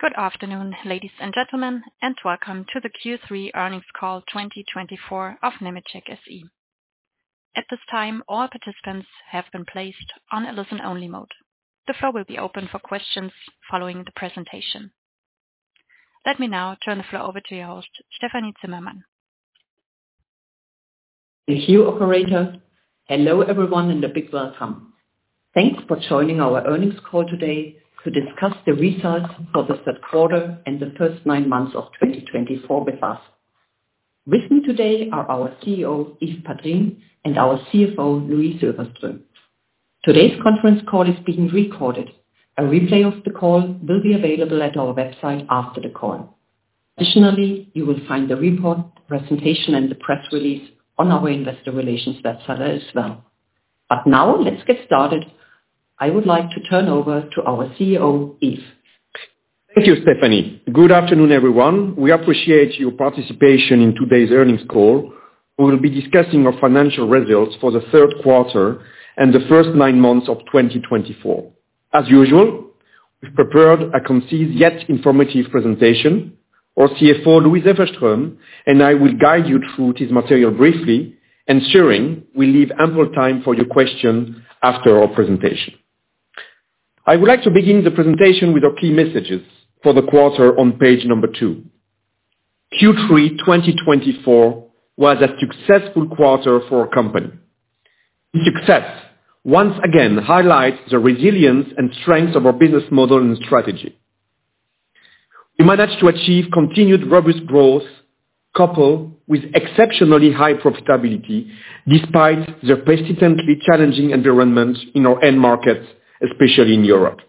Good afternoon, ladies and gentlemen, and welcome to the Q3 Earnings Call 2024 of Nemetschek SE. At this time, all participants have been placed on a listen-only mode. The floor will be open for questions following the presentation. Let me now turn the floor over to your host, Stefanie Zimmermann. Thank you, operators. Hello everyone and a big welcome. Thanks for joining our earnings call today to discuss the results for the third quarter and the first nine months of 2024 with us. With me today are our CEO, Yves Padrines, and our CFO, Louise Öfverström. Today's conference call is being recorded. A replay of the call will be available at our website after the call. Additionally, you will find the report, presentation, and the press release on our investor relations website as well. But now, let's get started. I would like to turn over to our CEO, Yves. Thank you, Stefanie. Good afternoon, everyone. We appreciate your participation in today's earnings call. We will be discussing our financial results for the third quarter and the first nine months of 2024. As usual, we've prepared a concise yet informative presentation. Our CFO, Louise Öfverström, and I will guide you through this material briefly, ensuring we leave ample time for your questions after our presentation. I would like to begin the presentation with our key messages for the quarter on page number two. Q3 2024 was a successful quarter for our company. This success once again highlights the resilience and strength of our business model and strategy. We managed to achieve continued robust growth coupled with exceptionally high profitability despite the persistently challenging environment in our end markets, especially in Europe.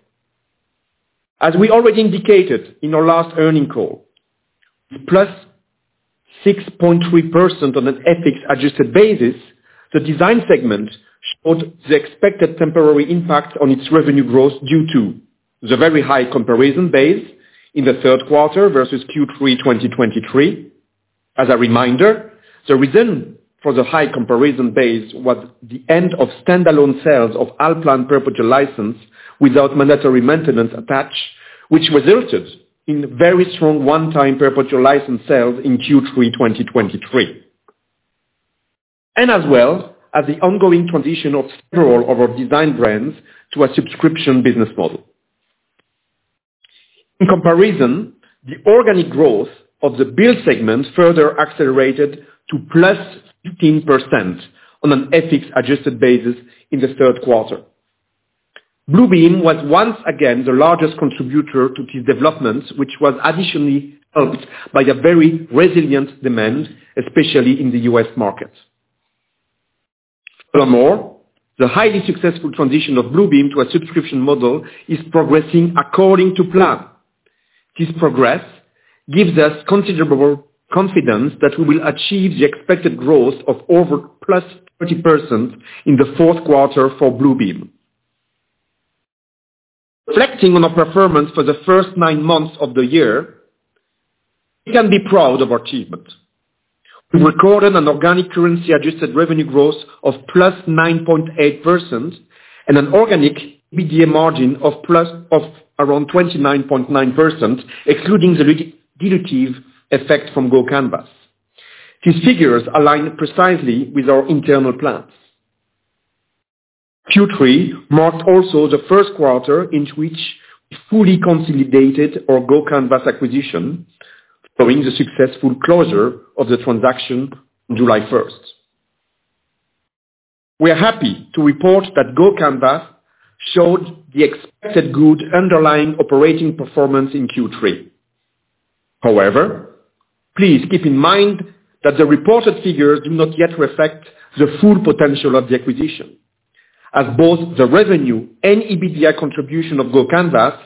As we already indicated in our last earnings call, with plus 6.3% on an acquisitions-adjusted basis, the Design segment showed the expected temporary impact on its revenue growth due to the very high comparison base in the third quarter versus Q3 2023. As a reminder, the reason for the high comparison base was the end of standalone sales of Allplan perpetual license without mandatory maintenance attached, which resulted in very strong one-time perpetual license sales in Q3 2023, and as well as the ongoing transition of several of our Design brands to a subscription business model. In comparison, the organic growth of Build segment further accelerated to plus 15% on an acquisitions-adjusted basis in the third quarter. Bluebeam was once again the largest contributor to these developments, which was additionally helped by a very resilient demand, especially in the U.S. market. Furthermore, the highly successful transition of Bluebeam to a subscription model is progressing according to plan. This progress gives us considerable confidence that we will achieve the expected growth of over +30% in the fourth quarter for Bluebeam. Reflecting on our performance for the first nine months of the year, we can be proud of our achievement. We recorded an organic currency-adjusted revenue growth of +9.8% and an organic EBITDA margin of around 29.9%, excluding the dilutive effect from GoCanvas. These figures align precisely with our internal plans. Q3 marked also the first quarter in which we fully consolidated our GoCanvas acquisition, following the successful closure of the transaction on July 1st. We are happy to report that GoCanvas showed the expected good underlying operating performance in Q3. However, please keep in mind that the reported figures do not yet reflect the full potential of the acquisition, as both the revenue and EBITDA contribution of GoCanvas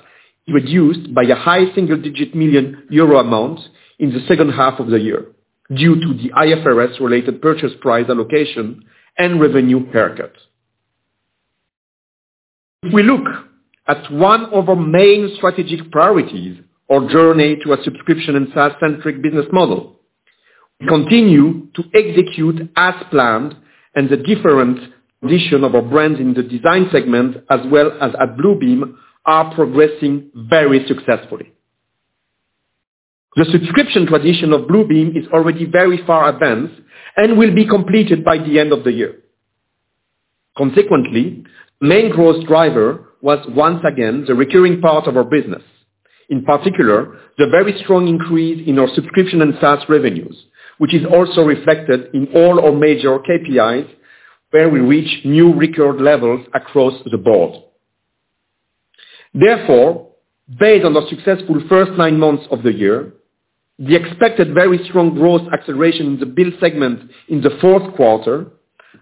is reduced by a high single-digit million EUR amount in the second half of the year due to the IFRS-related purchase price allocation and revenue haircut. If we look at one of our main strategic priorities, our journey to a subscription and SaaS-centric business model, we continue to execute as planned, and the different transitions of our brands in the Design segment, as well as at Bluebeam, are progressing very successfully. The subscription transition of Bluebeam is already very far advanced and will be completed by the end of the year. Consequently, the main growth driver was once again the recurring part of our business, in particular, the very strong increase in our subscription and SaaS revenues, which is also reflected in all our major KPIs, where we reach new record levels across the board. Therefore, based on the successful first nine months of the year, the expected very strong growth acceleration in Build segment in the fourth quarter,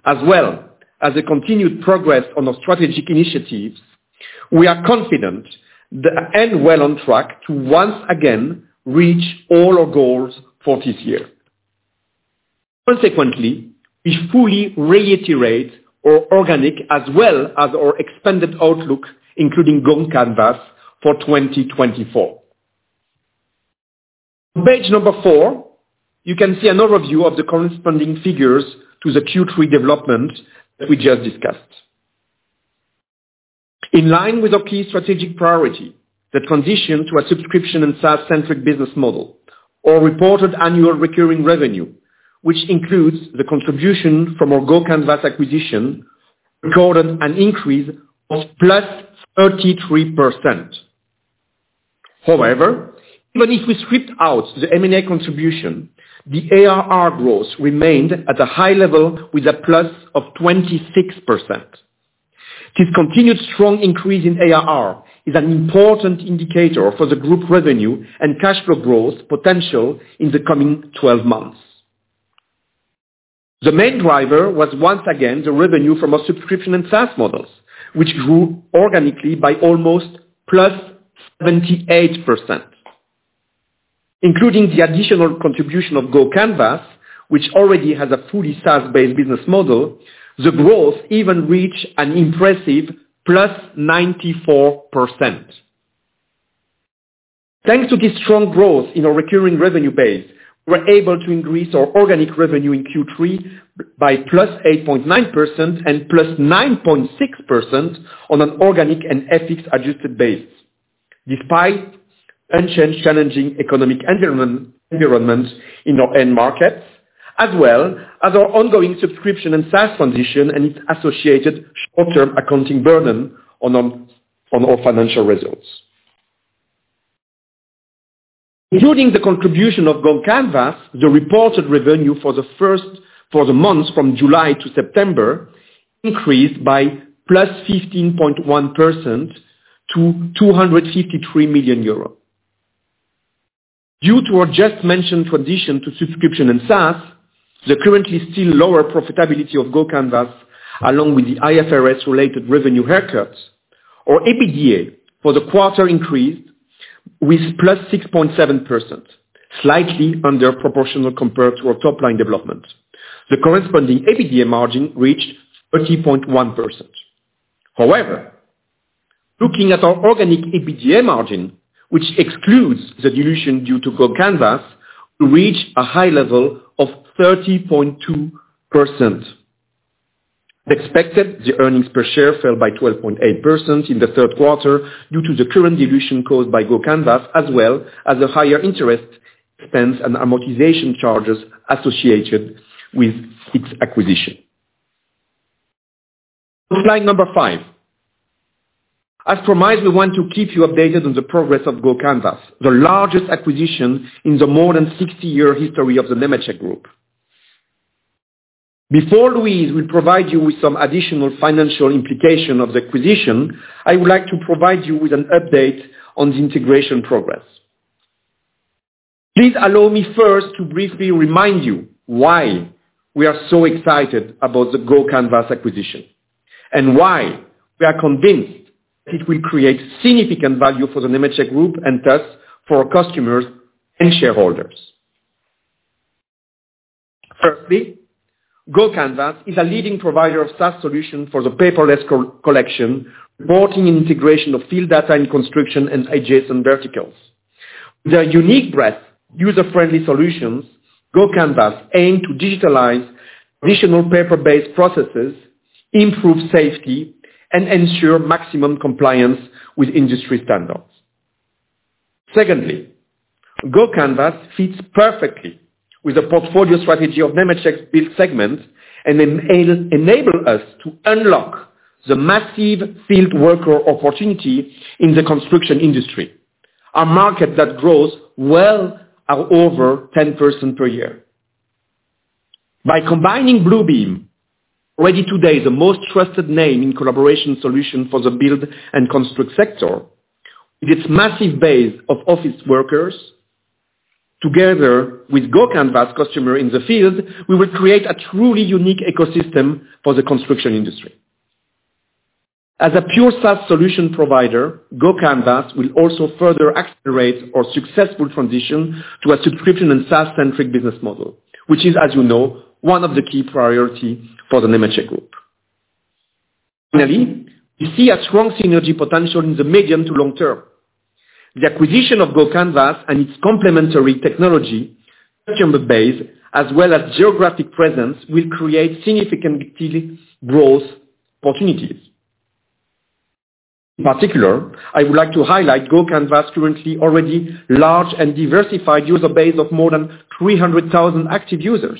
as well as the continued progress on our strategic initiatives, we are confident and well on track to once again reach all our goals for this year. Consequently, we fully reiterate our organic as well as our expanded outlook, including GoCanvas, for 2024. On page number four, you can see an overview of the corresponding figures to the Q3 development that we just discussed. In line with our key strategic priority, the transition to a subscription and SaaS-centric business model, our reported annual recurring revenue, which includes the contribution from our GoCanvas acquisition, recorded an increase of plus 33%. However, even if we stripped out the M&A contribution, the ARR growth remained at a high level with a plus of 26%. This continued strong increase in ARR is an important indicator for the group revenue and cash flow growth potential in the coming 12 months. The main driver was once again the revenue from our subscription and SaaS models, which grew organically by almost plus 78%. Including the additional contribution of GoCanvas, which already has a fully SaaS-based business model, the growth even reached an impressive plus 94%. Thanks to this strong growth in our recurring revenue base, we were able to increase our organic revenue in Q3 by plus 8.9% and plus 9.6% on an organic and IFRS-adjusted base, despite unchanged challenging economic environments in our end markets, as well as our ongoing subscription and SaaS transition and its associated short-term accounting burden on our financial results. Including the contribution of GoCanvas, the reported revenue for the first months from July to September increased by plus 15.1% to 253 million euro. Due to our just-mentioned transition to subscription and SaaS, the currently still lower profitability of GoCanvas, along with the IFRS-related revenue haircut, our EBITDA for the quarter increased with plus 6.7%, slightly underproportional compared to our top-line development. The corresponding EBITDA margin reached 30.1%. However, looking at our organic EBITDA margin, which excludes the dilution due to GoCanvas, we reached a high level of 30.2%. As expected, the earnings per share fell by 12.8% in the third quarter due to the current dilution caused by GoCanvas, as well as the higher interest expense and amortization charges associated with its acquisition. Slide number five. As promised, we want to keep you updated on the progress of GoCanvas, the largest acquisition in the more than 60-year history of the Nemetschek Group. Before Louise will provide you with some additional financial implications of the acquisition, I would like to provide you with an update on the integration progress. Please allow me first to briefly remind you why we are so excited about the GoCanvas acquisition and why we are convinced that it will create significant value for the Nemetschek Group and thus for our customers and shareholders. Firstly, GoCanvas is a leading provider of SaaS solutions for the paperless collection, supporting integration of field data in construction and adjacent verticals. With their unique breadth, user-friendly solutions, GoCanvas aims to digitalize traditional paper-based processes, improve safety, and ensure maximum compliance with industry standards. Secondly, GoCanvas fits perfectly with the portfolio strategy of Build segment and enables us to unlock the massive field worker opportunity in the construction industry, a market that grows well over 10% per year. By combining Bluebeam, already today the most trusted name in collaboration solutions for the build and construct sector, with its massive base of office workers, together with GoCanvas' customers in the field, we will create a truly unique ecosystem for the construction industry. As a pure SaaS solution provider, GoCanvas will also further accelerate our successful transition to a subscription and SaaS-centric business model, which is, as you know, one of the key priorities for the Nemetschek Group. Finally, we see a strong synergy potential in the medium to long term. The acquisition of GoCanvas and its complementary technology, customer base, as well as geographic presence, will create significant growth opportunities. In particular, I would like to highlight GoCanvas's currently already large and diversified user base of more than 300,000 active users.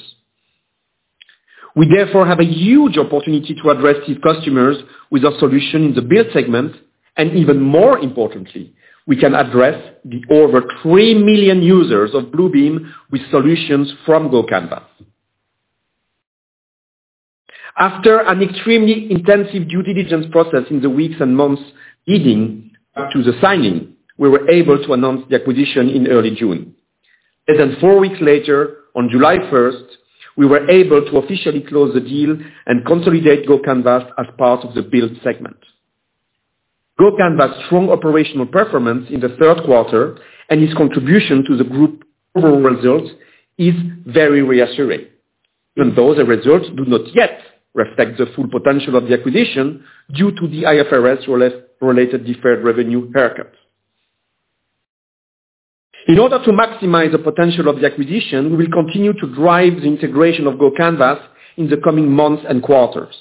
We, therefore, have a huge opportunity to address these customers with our solution in Build segment, and even more importantly, we can address the over 3 million users of Bluebeam with solutions from GoCanvas. After an extremely intensive due diligence process in the weeks and months leading up to the signing, we were able to announce the acquisition in early June. Less than four weeks later, on July 1st, we were able to officially close the deal and consolidate GoCanvas as part of Build segment. gocanvas's strong operational performance in the third quarter and its contribution to the Group overall results is very reassuring, even though the results do not yet reflect the full potential of the acquisition due to the IFRS-related deferred revenue haircut. In order to maximize the potential of the acquisition, we will continue to drive the integration of GoCanvas in the coming months and quarters.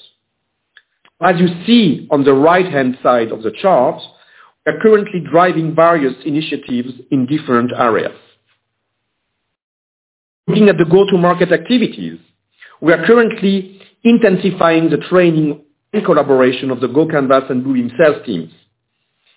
As you see on the right-hand side of the chart, we are currently driving various initiatives in different areas. Looking at the go-to-market activities, we are currently intensifying the training and collaboration of the GoCanvas and Bluebeam sales teams.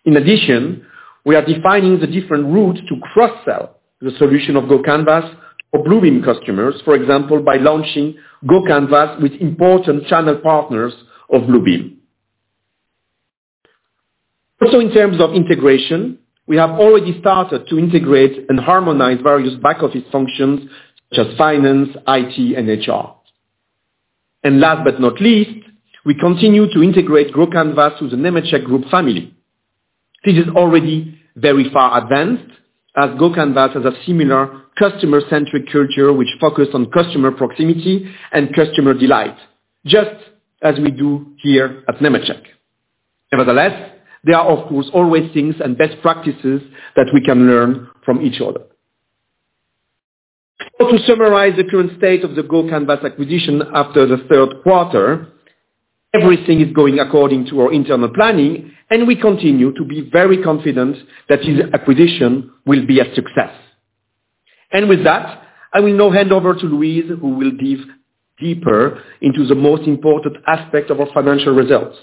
In addition, we are defining the different routes to cross-sell the solution of GoCanvas for Bluebeam customers, for example, by launching GoCanvas with important channel partners of Bluebeam. Also, in terms of integration, we have already started to integrate and harmonize various back-office functions such as finance, IT, and HR. And last but not least, we continue to integrate GoCanvas with the Nemetschek Group family. This is already very far advanced, as GoCanvas has a similar customer-centric culture which focuses on customer proximity and customer delight, just as we do here at Nemetschek. Nevertheless, there are, of course, always things and best practices that we can learn from each other. To summarize the current state of the GoCanvas acquisition after the third quarter, everything is going according to our internal planning, and we continue to be very confident that this acquisition will be a success. With that, I will now hand over to Louise, who will dive deeper into the most important aspect of our financial results.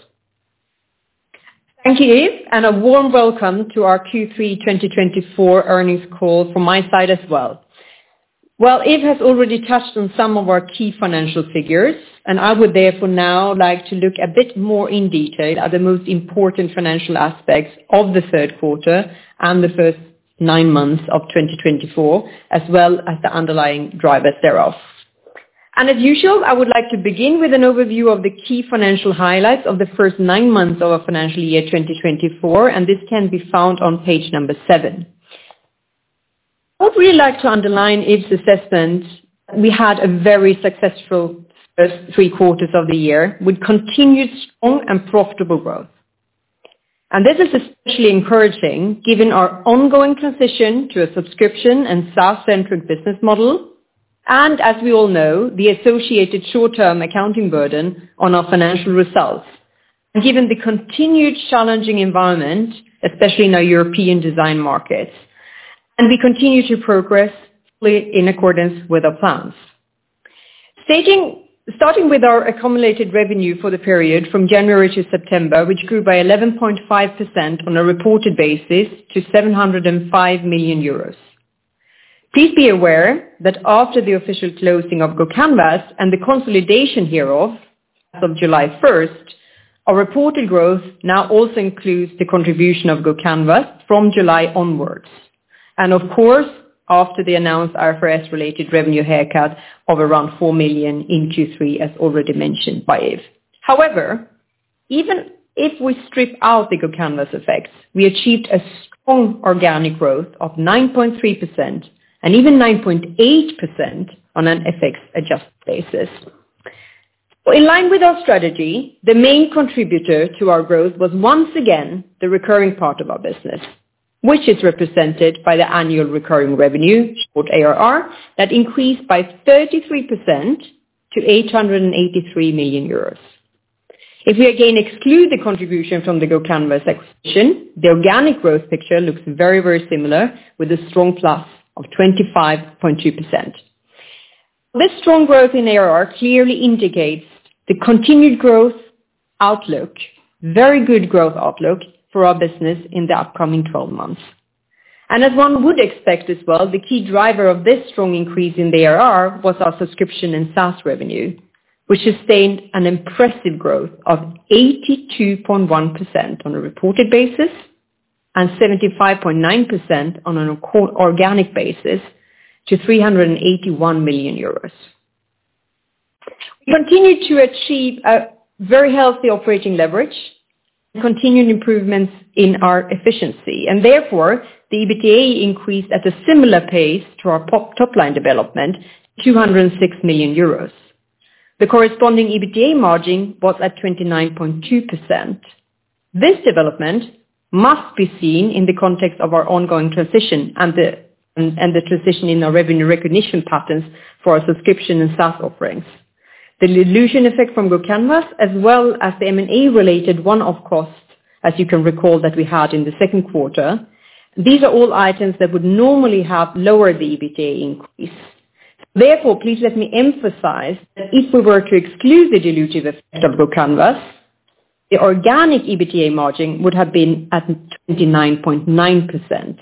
Thank you, Yves, and a warm welcome to our Q3 2024 earnings call from my side as well. Yves has already touched on some of our key financial figures, and I would therefore now like to look a bit more in detail at the most important financial aspects of the third quarter and the first nine months of 2024, as well as the underlying drivers thereof. As usual, I would like to begin with an overview of the key financial highlights of the first nine months of our financial year 2024, and this can be found on page number seven. I would really like to underline Yves's assessment that we had a very successful first three quarters of the year with continued strong and profitable growth. This is especially encouraging given our ongoing transition to a subscription and SaaS-centric business model, and as we all know, the associated short-term accounting burden on our financial results, and given the continued challenging environment, especially in our European Design markets, and we continue to progress in accordance with our plans. Starting with our accumulated revenue for the period from January to September, which grew by 11.5% on a reported basis to 705 million euros. Please be aware that after the official closing of GoCanvas and the consolidation hereof as of July 1st, our reported growth now also includes the contribution of GoCanvas from July onwards. And of course, after the announced IFRS-related revenue haircut of around four million in Q3, as already mentioned by Yves. However, even if we strip out the GoCanvas effects, we achieved a strong organic growth of 9.3% and even 9.8% on an effects-adjusted basis. In line with our strategy, the main contributor to our growth was once again the recurring part of our business, which is represented by the annual recurring revenue, short ARR, that increased by 33% to 883 million euros. If we again exclude the contribution from the GoCanvas acquisition, the organic growth picture looks very, very similar with a strong plus of 25.2%. This strong growth in ARR clearly indicates the continued growth outlook, very good growth outlook for our business in the upcoming 12 months. As one would expect as well, the key driver of this strong increase in ARR was our subscription and SaaS revenue, which sustained an impressive growth of 82.1% on a reported basis and 75.9% on an organic basis to 381 million euros. We continue to achieve a very healthy operating leverage and continued improvements in our efficiency, and therefore the EBITDA increased at a similar pace to our top-line development, 206 million euros. The corresponding EBITDA margin was at 29.2%. This development must be seen in the context of our ongoing transition and the transition in our revenue recognition patterns for our subscription and SaaS offerings. The dilution effect from GoCanvas, as well as the M&A-related one-off cost, as you can recall that we had in the second quarter, these are all items that would normally have lowered the EBITDA increase. Therefore, please let me emphasize that if we were to exclude the dilutive effect of GoCanvas, the organic EBITDA margin would have been at 29.9%.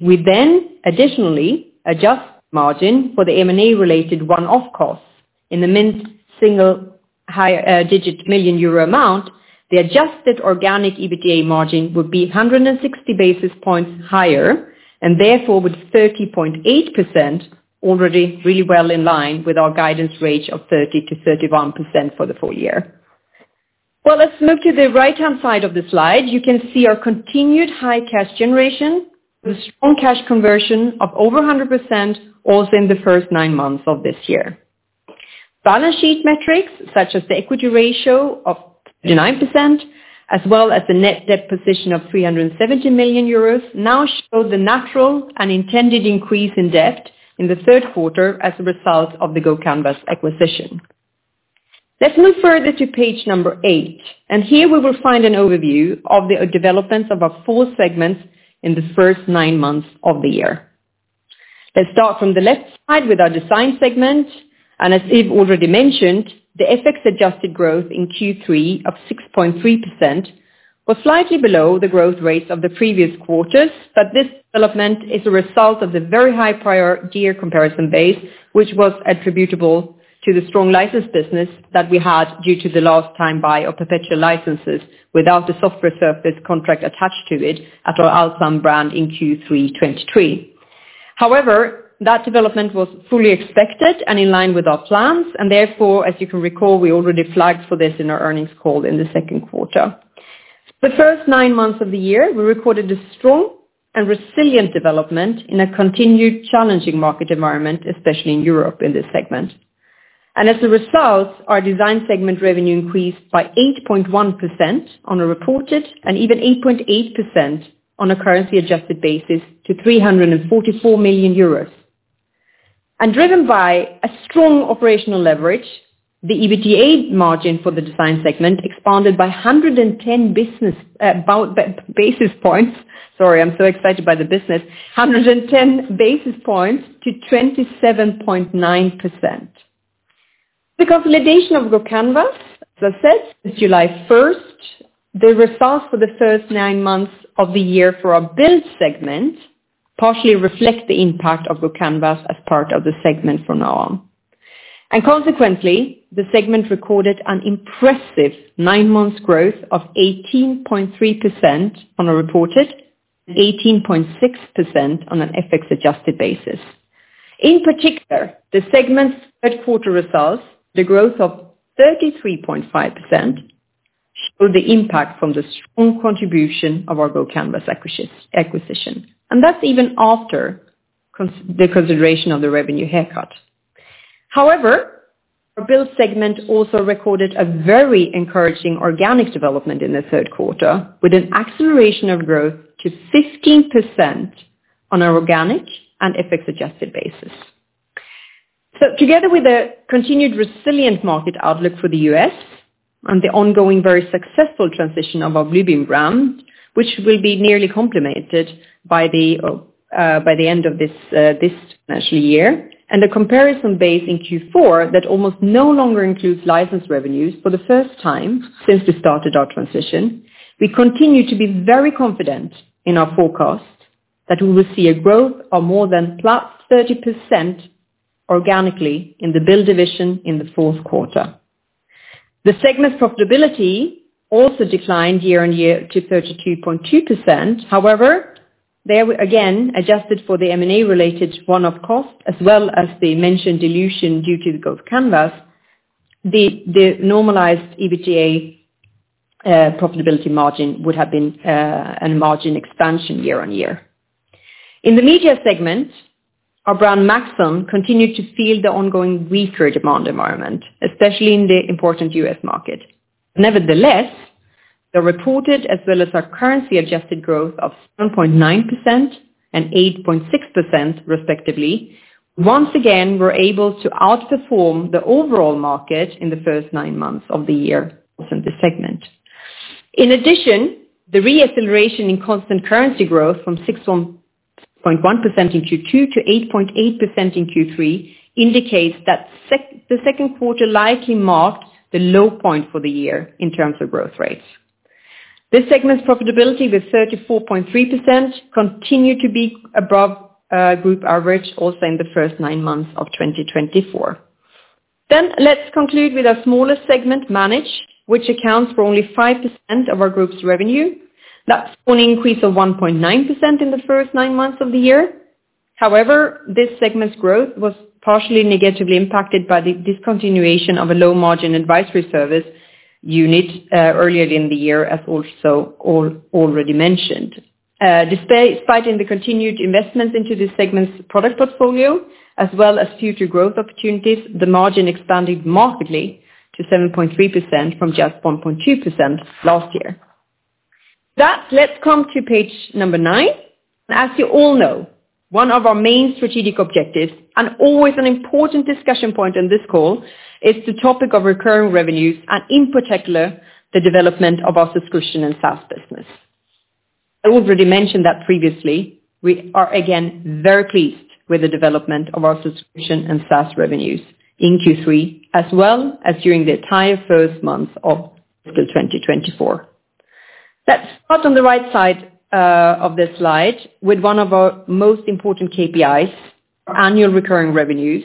We then additionally adjusted the margin for the M&A-related one-off cost in the mid single-digit million euro amount. The adjusted organic EBITDA margin would be 160 basis points higher, and therefore with 30.8%, already really well in line with our guidance rate of 30%-31% for the full year. Let's move to the right-hand side of the slide. You can see our continued high cash generation, the strong cash conversion of over 100%, also in the first nine months of this year. Balance sheet metrics, such as the equity ratio of 39%, as well as the net debt position of 370 million euros, now show the natural and intended increase in debt in the third quarter as a result of the GoCanvas acquisition. Let's move further to page number eight, and here we will find an overview of the developments of our four segments in the first nine months of the year. Let's start from the left side with our Design segment, and as Yves already mentioned, the effects-adjusted growth in Q3 of 6.3% was slightly below the growth rates of the previous quarters, but this development is a result of the very high prior year comparison base, which was attributable to the strong license business that we had due to the last time buy of perpetual licenses without a software service contract attached to it at our Allplan brand in Q3 2023. However, that development was fully expected and in line with our plans, and therefore, as you can recall, we already flagged for this in our earnings call in the second quarter. The first nine months of the year, we recorded a strong and resilient development in a continued challenging market environment, especially in Europe in this segment. And as a result, our Design segment revenue increased by 8.1% on a reported and even 8.8% on a currency-adjusted basis to 344 million euros. And driven by a strong operational leverage, the EBITDA margin for the Design segment expanded by 110 basis points. Sorry, I'm so excited by the business. 110 basis points to 27.9%. The consolidation of GoCanvas, as I said, since July 1st, the results for the first nine months of the year for Build segment partially reflect the impact of GoCanvas as part of the segment from now on. And consequently, the segment recorded an impressive nine-month growth of 18.3% on a reported and 18.6% on a currency-adjusted basis. In particular, the segment's third-quarter results, the growth of 33.5%, show the impact from the strong contribution of our GoCanvas acquisition, and that's even after the consideration of the revenue haircut. However, Build segment also recorded a very encouraging organic development in the third quarter, with an acceleration of growth to 15% on an organic and effects-adjusted basis, so together with a continued resilient market outlook for the U.S. and the ongoing very successful transition of our Bluebeam brand, which will be nearly completed by the end of this financial year, and the comparison base in Q4 that almost no longer includes license revenues for the first time since we started our transition, we continue to be very confident in our forecast that we will see a growth of more than plus 30% organically in the build division in the fourth quarter. The segment profitability also declined year-on-year to 32.2%. However, there were again adjusted for the M&A-related one-off cost, as well as the mentioned dilution due to the GoCanvas, the normalized EBITDA profitability margin would have been a margin expansion year-on-year. In the Media segment, our brand Maxon continued to feel the ongoing weaker demand environment, especially in the important U.S. market. Nevertheless, the reported as well as our currency-adjusted growth of 7.9% and 8.6%, respectively, once again were able to outperform the overall market in the first nine months of the year in this segment. In addition, the reacceleration in constant currency growth from 6.1% in Q2 to 8.8% in Q3 indicates that the second quarter likely marked the low point for the year in terms of growth rates. This segment's profitability with 34.3% continued to be above group average also in the first nine months of 2024. Then let's conclude with our smaller segment, Manage, which accounts for only 5% of our group's revenue. That's for an increase of 1.9% in the first nine months of the year. However, this segment's growth was partially negatively impacted by the discontinuation of a low-margin advisory service unit earlier in the year, as also already mentioned. Despite the continued investments into this segment's product portfolio, as well as future growth opportunities, the margin expanded markedly to 7.3% from just 1.2% last year. That's, let's come to page number nine. As you all know, one of our main strategic objectives and always an important discussion point on this call is the topic of recurring revenues and, in particular, the development of our subscription and SaaS business. I already mentioned that previously. We are again very pleased with the development of our subscription and SaaS revenues in Q3, as well as during the entire nine months of fiscal 2024. Let's start on the right side of the slide with one of our most important KPIs, our annual recurring revenues.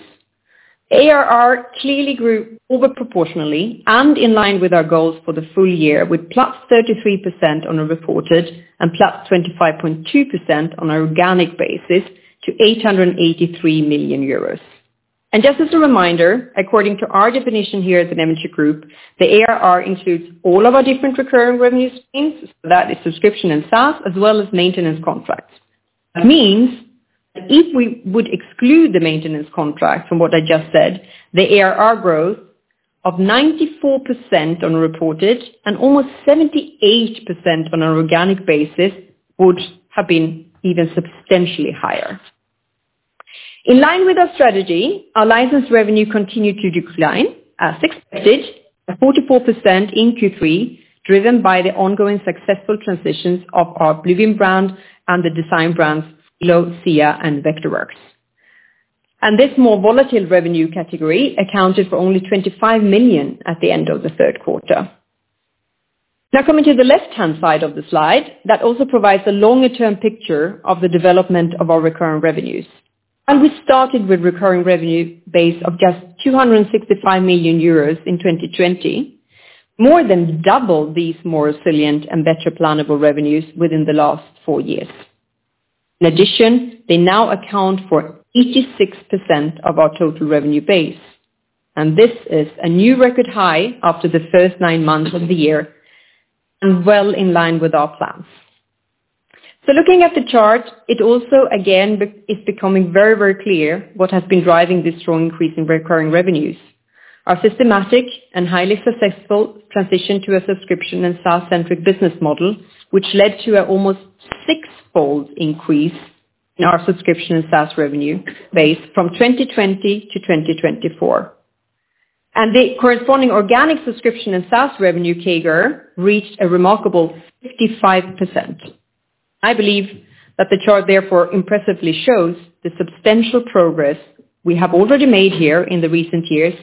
ARR clearly grew overproportionately and in line with our goals for the full year, with plus 33% on a reported and plus 25.2% on an organic basis to 883 million euros. And just as a reminder, according to our definition here at the Nemetschek Group, the ARR includes all of our different recurring revenue streams, so that is subscription and SaaS, as well as maintenance contracts. That means that if we would exclude the maintenance contract from what I just said, the ARR growth of 94% on a reported and almost 78% on an organic basis would have been even substantially higher. In line with our strategy, our license revenue continued to decline, as expected, at 44% in Q3, driven by the ongoing successful transitions of our Bluebeam brand and the Design brands Solibri, SCIA, and Vectorworks. This more volatile revenue category accounted for onlyEUR 25 million at the end of the third quarter. Now coming to the left-hand side of the slide, that also provides a longer-term picture of the development of our recurring revenues. We started with a recurring revenue base of justEUR 265 million in 2020, more than double these more resilient and better plannable revenues within the last four years. In addition, they now account for 86% of our total revenue base. This is a new record high after the first nine months of the year and well in line with our plans. So looking at the chart, it also again is becoming very, very clear what has been driving this strong increase in recurring revenues. Our systematic and highly successful transition to a subscription and SaaS-centric business model, which led to an almost six-fold increase in our subscription and SaaS revenue base from 2020 to 2024. And the corresponding organic subscription and SaaS revenue CAGR reached a remarkable 55%. I believe that the chart therefore impressively shows the substantial progress we have already made here in the recent years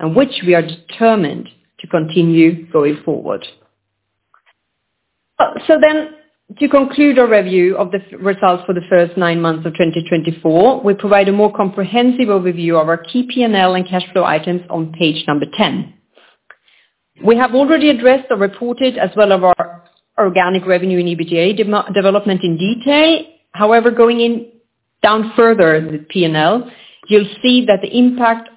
and which we are determined to continue going forward. So then to conclude our review of the results for the first nine months of 2024, we provide a more comprehensive overview of our key P&L and cash flow items on page number 10. We have already addressed or reported as well of our organic revenue and EBITDA development in detail. However, going down further in the P&L, you'll see that the impact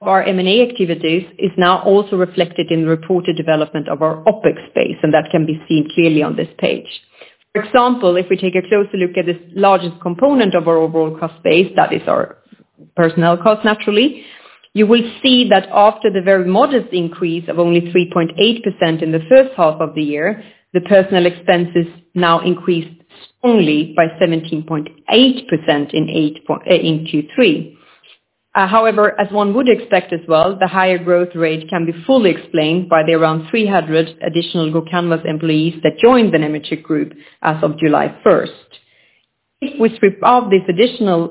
of our M&A activities is now also reflected in the reported development of our OpEx base, and that can be seen clearly on this page. For example, if we take a closer look at this largest component of our overall cost base, that is our personnel cost, naturally, you will see that after the very modest increase of only 3.8% in the first half of the year, the personnel expenses now increased strongly by 17.8% in Q3. However, as one would expect as well, the higher growth rate can be fully explained by the around 300 additional GoCanvas employees that joined the Nemetschek Group as of July 1st. If we strip out these additional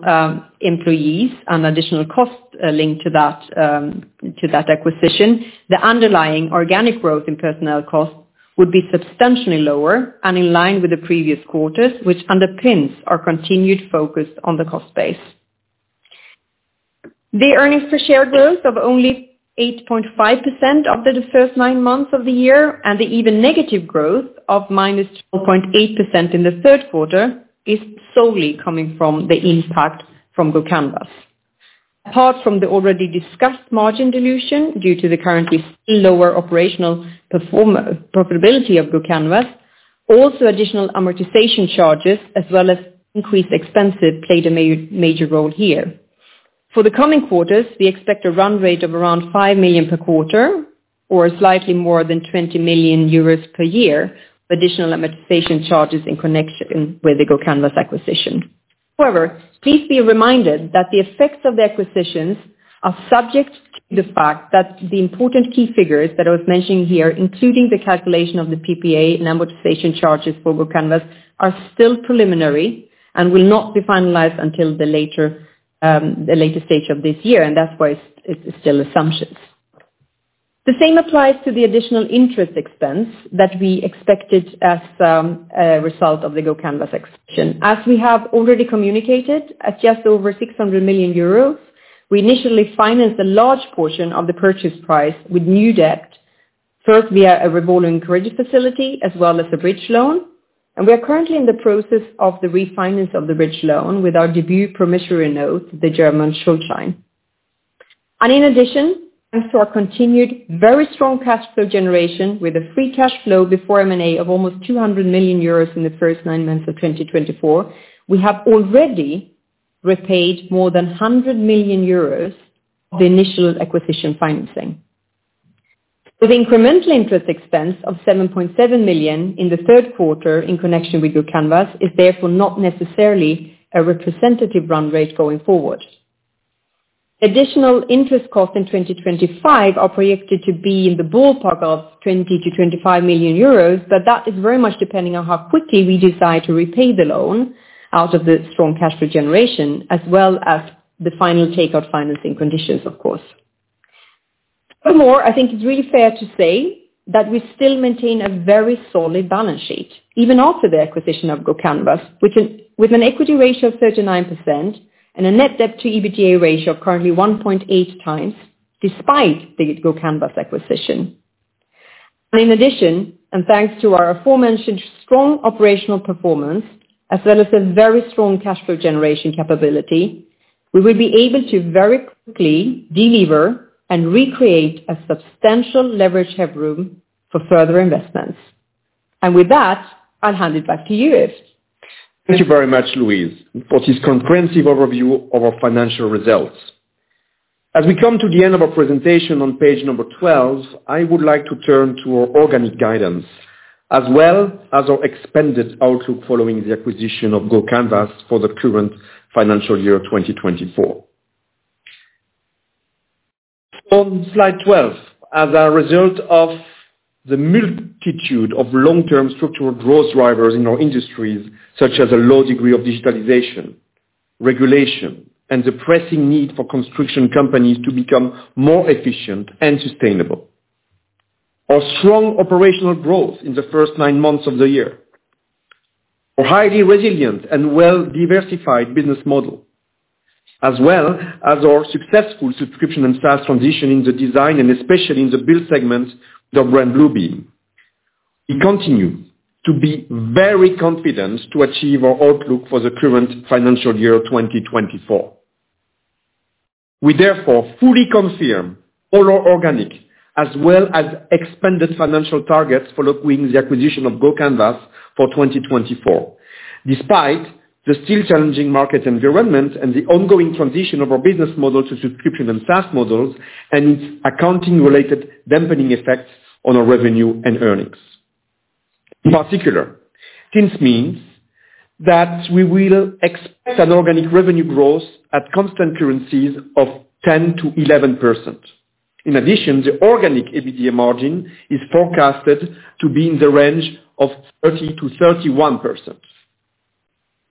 employees and additional costs linked to that acquisition, the underlying organic growth in personnel costs would be substantially lower and in line with the previous quarters, which underpins our continued focus on the cost base. The earnings per share growth of only 8.5% over the first nine months of the year and the even negative growth of -12.8% in the third quarter is solely coming from the impact from GoCanvas. Apart from the already discussed margin dilution due to the currently still lower operational profitability of GoCanvas, also additional amortization charges, as well as increased expenses, played a major role here. For the coming quarters, we expect a run rate of around 5 million per quarter or slightly more than 20 million euros per year of additional amortization charges in connection with the GoCanvas acquisition. However, please be reminded that the effects of the acquisitions are subject to the fact that the important key figures that I was mentioning here, including the calculation of the PPA and amortization charges for GoCanvas, are still preliminary and will not be finalized until the later stage of this year, and that's why it's still assumptions. The same applies to the additional interest expense that we expected as a result of the GoCanvas acquisition. As we have already communicated, at just over 600 million euros, we initially financed a large portion of the purchase price with new debt, first via a revolving credit facility as well as a bridge loan. And we are currently in the process of the refinance of the bridge loan with our debut Schuldschein, the German Schuldschein. In addition, thanks to our continued very strong cash flow generation with a free cash flow before M&A of almost 200 million euros in the first nine months of 2024, we have already repaid more than 100 million euros of the initial acquisition financing. With the incremental interest expense of 7.7 million in the third quarter in connection with GoCanvas, it's therefore not necessarily a representative run rate going forward. Additional interest costs in 2025 are projected to be in the ballpark of 20 million-25 million euros, but that is very much depending on how quickly we decide to repay the loan out of the strong cash flow generation, as well as the final takeout financing conditions, of course. Furthermore, I think it's really fair to say that we still maintain a very solid balance sheet, even after the acquisition of GoCanvas, with an equity ratio of 39% and a net debt-to-EBITDA ratio of currently 1.8 times, despite the GoCanvas acquisition. And in addition, and thanks to our aforementioned strong operational performance, as well as a very strong cash flow generation capability, we will be able to very quickly deliver and recreate a substantial leverage headroom for further investments. And with that, I'll hand it back to you, Yves. Thank you very much, Louise Öfverström, for this comprehensive overview of our financial results. As we come to the end of our presentation on page number 12, I would like to turn to our organic guidance, as well as our expanded outlook following the acquisition of GoCanvas for the current financial year 2024. On slide 12, as a result of the multitude of long-term structural growth drivers in our industries, such as a low degree of digitalization, regulation, and the pressing need for construction companies to become more efficient and sustainable, our strong operational growth in the first nine months of the year, our highly resilient and well-diversified business model, as well as our successful subscription and SaaS transition in the Design, and especially in Build segment with our brand Bluebeam, we continue to be very confident to achieve our outlook for the current financial year 2024. We therefore fully confirm all our organic, as well as expanded financial targets for the acquisition of GoCanvas for 2024, despite the still challenging market environment and the ongoing transition of our business model to subscription and SaaS models and its accounting-related dampening effects on our revenue and earnings. In particular, this means that we will expect an organic revenue growth at constant currencies of 10%-11%. In addition, the organic EBITDA margin is forecasted to be in the range of 30%-31%.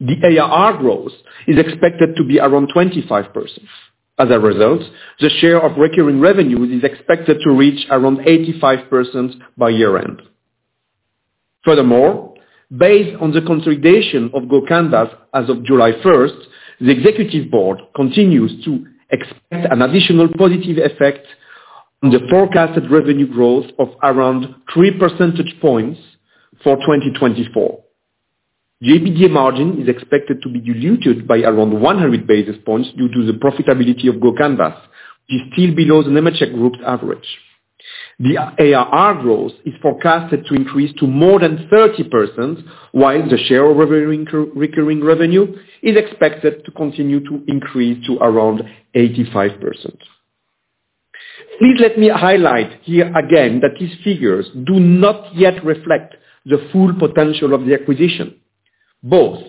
The ARR growth is expected to be around 25%. As a result, the share of recurring revenues is expected to reach around 85% by year-end. Furthermore, based on the consolidation of GoCanvas as of July 1st, the executive board continues to expect an additional positive effect on the forecasted revenue growth of around 3 percentage points for 2024. The EBITDA margin is expected to be diluted by around 100 basis points due to the profitability of GoCanvas, which is still below the Nemetschek Group's average. The ARR growth is forecasted to increase to more than 30%, while the share of recurring revenue is expected to continue to increase to around 85%. Please let me highlight here again that these figures do not yet reflect the full potential of the acquisition. Both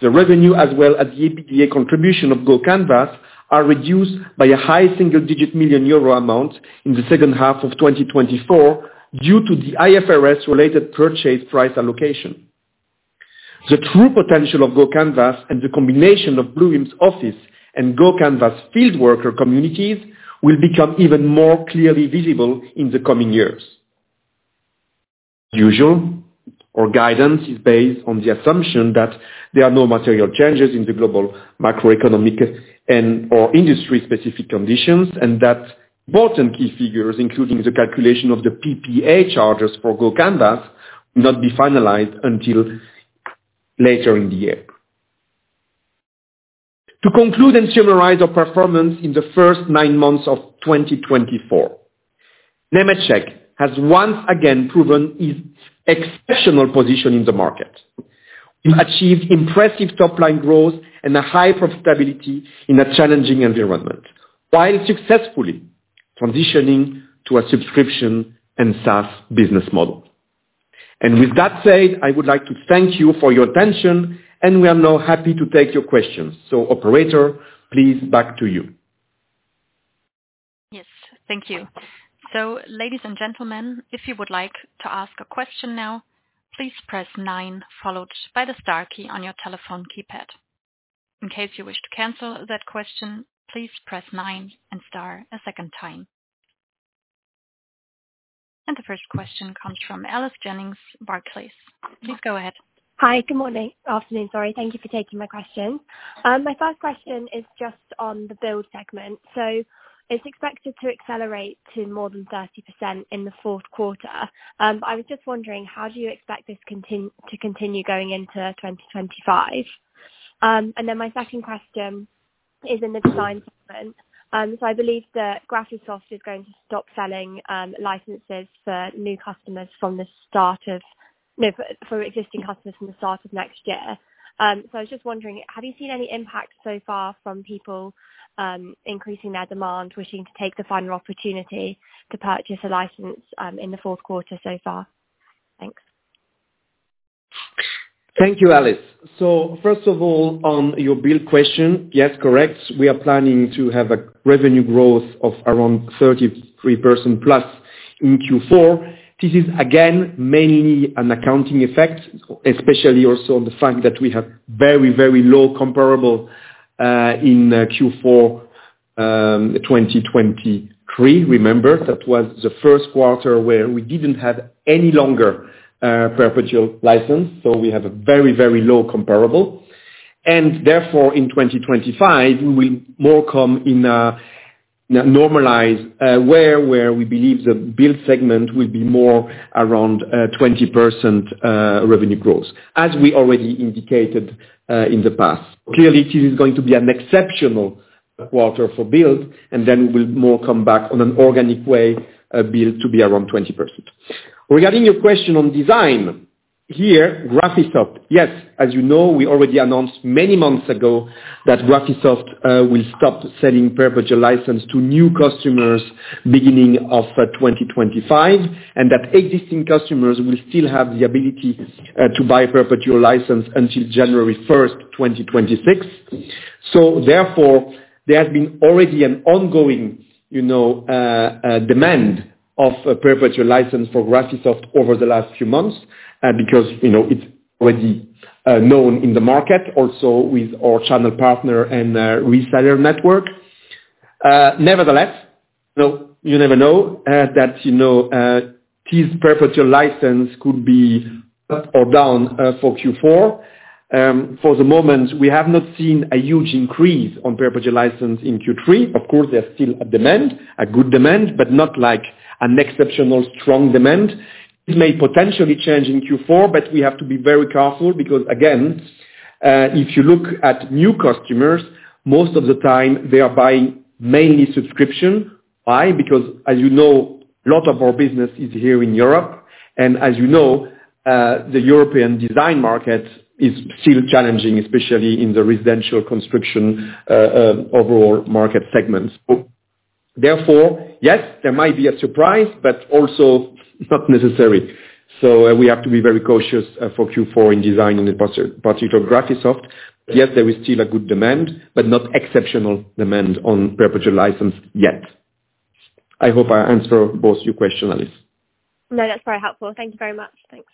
the revenue, as well as the EBITDA contribution of GoCanvas, are reduced by a high single-digit million EUR amount in the second half of 2024 due to the IFRS-related purchase price allocation. The true potential of GoCanvas and the combination of Bluebeam's office and GoCanvas field worker communities will become even more clearly visible in the coming years. As usual, our guidance is based on the assumption that there are no material changes in the global macroeconomic and/or industry-specific conditions and that important key figures, including the calculation of the PPA charges for GoCanvas, will not be finalized until later in the year. To conclude and summarize our performance in the first nine months of 2024, Nemetschek has once again proven its exceptional position in the market. We've achieved impressive top-line growth and a high profitability in a challenging environment, while successfully transitioning to a subscription and SaaS business model. And with that said, I would like to thank you for your attention, and we are now happy to take your questions. So, operator, please back to you. Yes, thank you. So, ladies and gentlemen, if you would like to ask a question now, please press 9, followed by the star key on your telephone keypad. In case you wish to cancel that question, please press 9 and star a second time. And the first question comes from Alice Jennings, Barclays. Please go ahead. Hi, good morning, afternoon, sorry. Thank you for taking my question. My first question is just on Build segment. so, it's expected to accelerate to more than 30% in the fourth quarter. I was just wondering, how do you expect this to continue going into 2025? And then my second question is in the Design segment. So, I believe that Graphisoft is going to stop selling licenses for new customers from the start of, no, for existing customers from the start of next year. So, I was just wondering, have you seen any impact so far from people increasing their demand, wishing to take the final opportunity to purchase a license in the fourth quarter so far? Thanks. Thank you, Alice. So, first of all, on your build question, yes, correct. We are planning to have a revenue growth of around 33% plus in Q4. This is, again, mainly an accounting effect, especially also on the fact that we have very, very low comparable in Q4 2023. Remember, that was the first quarter where we didn't have any longer perpetual license. So, we have a very, very low comparable. And therefore, in 2025, we will more come in a normalized way where we believe Build segment will be more around 20% revenue growth, as we already indicated in the past. Clearly, this is going to be an exceptional quarter for Build, and then we will more come back on an organic way, Build to be around 20%. Regarding your question on Design here, Graphisoft, yes, as you know, we already announced many months ago that Graphisoft will stop selling perpetual license to new customers beginning of 2025, and that existing customers will still have the ability to buy a perpetual license until January 1st, 2026. So, therefore, there has been already an ongoing demand of a perpetual license for Graphisoft over the last few months because it's already known in the market, also with our channel partner and reseller network. Nevertheless, you never know that this perpetual license could be up or down for Q4. For the moment, we have not seen a huge increase on perpetual license in Q3. Of course, there's still a demand, a good demand, but not like an exceptional strong demand. It may potentially change in Q4, but we have to be very careful because, again, if you look at new customers, most of the time, they are buying mainly subscription. Why? Because, as you know, a lot of our business is here in Europe, and as you know, the European Design market is still challenging, especially in the residential construction overall market segments. Therefore, yes, there might be a surprise, but also not necessary, so we have to be very cautious for Q4 in Design, in particular Graphisoft. Yes, there is still a good demand, but not exceptional demand on perpetual license yet. I hope I answered both your questions, Alice. No, that's very helpful. Thank you very much. Thanks.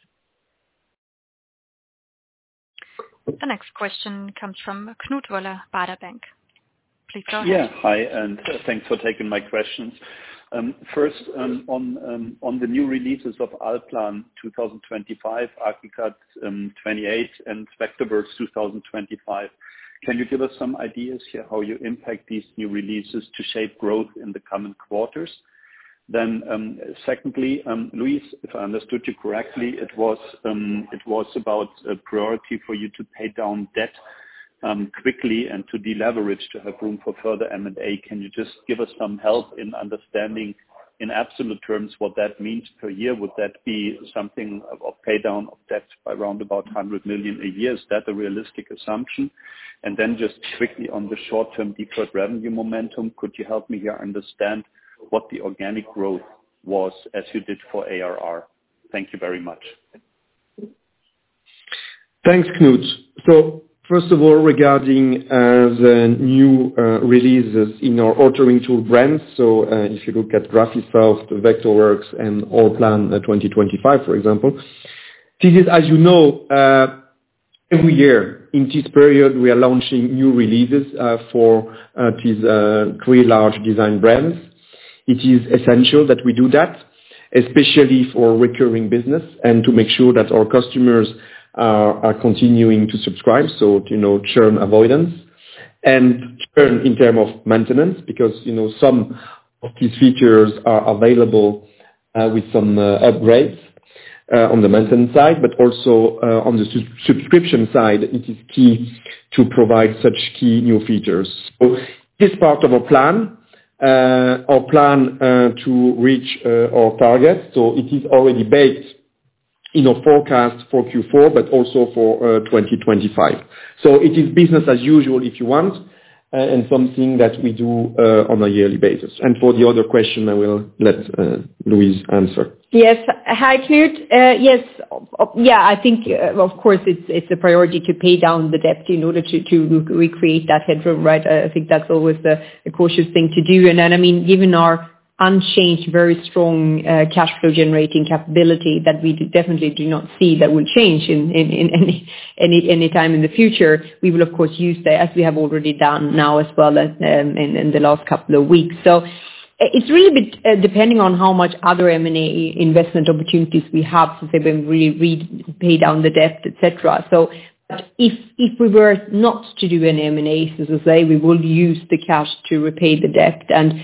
The next question comes from Knut Wöller, Baader Bank. Please go ahead. Yeah, hi, and thanks for taking my questions. First, on the new releases of Allplan 2025, Archicad 28, and Vectorworks 2025, can you give us some ideas here how you impact these new releases to shape growth in the coming quarters? Then, secondly, Louise, if I understood you correctly, it was about a priority for you to pay down debt quickly and to deleverage to have room for further M&A. Can you just give us some help in understanding, in absolute terms, what that means per year? Would that be something of paydown of debt by around about 100 million a year? Is that a realistic assumption? And then just quickly, on the short-term deferred revenue momentum, could you help me here understand what the organic growth was as you did for ARR? Thank you very much. Thanks, Knut. So, first of all, regarding the new releases in our authoring tool brands, so if you look at Graphisoft, Vectorworks, and Allplan 2025, for example, this is, as you know, every year in this period, we are launching new releases for these three large Design brands. It is essential that we do that, especially for recurring business, and to make sure that our customers are continuing to subscribe, so churn avoidance, and churn in terms of maintenance, because some of these features are available with some upgrades on the maintenance side, but also on the subscription side, it is key to provide such key new features. This part of our plan to reach our target, so it is already baked in our forecast for Q4, but also for 2025. It is business as usual, if you want, and something that we do on a yearly basis. For the other question, I will let Louise Öfverström answer. Yes. Hi, Knut Wöller. Yes. Yeah, I think, of course, it's a priority to pay down the debt in order to recreate that headroom, right? I think that's always a cautious thing to do. I mean, given our unchanged, very strong cash flow-generating capability that we definitely do not see that will change anytime in the future, we will, of course, use that, as we have already done now as well in the last couple of weeks. So, it's really depending on how much other M&A investment opportunities we have to say when we really pay down the debt, etc. So, if we were not to do an M&A, so to say, we will use the cash to repay the debt. And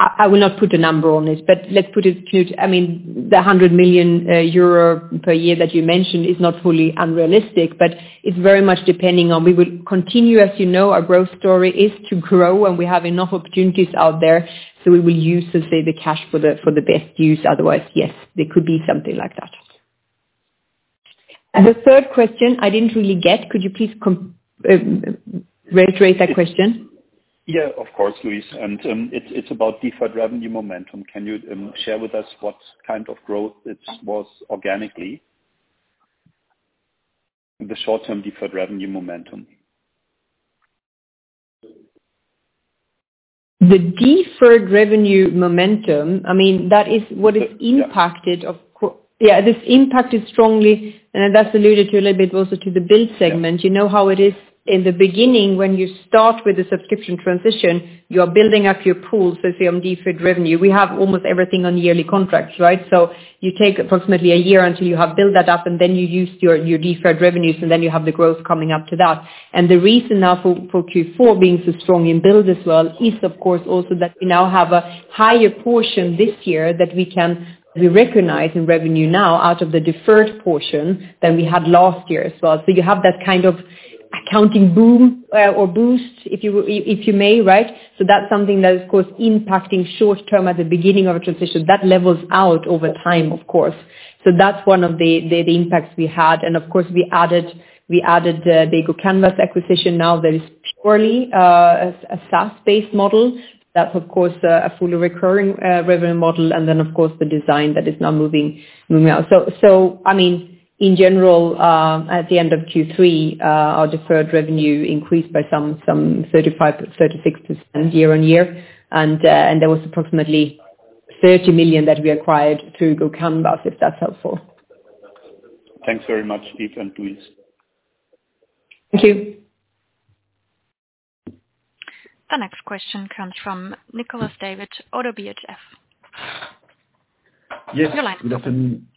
I will not put a number on it, but let's put it, Knut, I mean, the 100 million euro per year that you mentioned is not fully unrealistic, but it's very much depending on we will continue, as you know, our growth story is to grow, and we have enough opportunities out there, so we will use, so to say, the cash for the best use. Otherwise, yes, there could be something like that. And the third question, I didn't really get. Could you please reiterate that question? Yeah, of course, Louise. And it's about deferred revenue momentum. Can you share with us what kind of growth it was organically? The short-term deferred revenue momentum. The deferred revenue momentum, I mean, that is what is impacted of yeah, this impact is strongly, and that's alluded to a little bit also to Build segment. you know how it is in the beginning when you start with the subscription transition, you are building up your pool, so to say, on deferred revenue. We have almost everything on yearly contracts, right? So, you take approximately a year until you have built that up, and then you use your deferred revenues, and then you have the growth coming up to that. The reason now for Q4 being so strong in build as well is, of course, also that we now have a higher portion this year that we can recognize in revenue now out of the deferred portion than we had last year as well. You have that kind of accounting boom or boost, if you may, right? That's something that is, of course, impacting short-term at the beginning of a transition. That levels out over time, of course. That's one of the impacts we had. Of course, we added the GoCanvas acquisition. Now, there is purely a SaaS-based model. That's, of course, a fully recurring revenue model. Then, of course, the Design that is now moving out. I mean, in general, at the end of Q3, our deferred revenue increased by some 35-36% year on year. There was approximatelyEUR 30 million that we acquired through GoCanvas, if that's helpful. Thanks very much, Yves and Louise. Thank you. The next question comes from Nicolas David, ODDO BHF. Yes, good afternoon.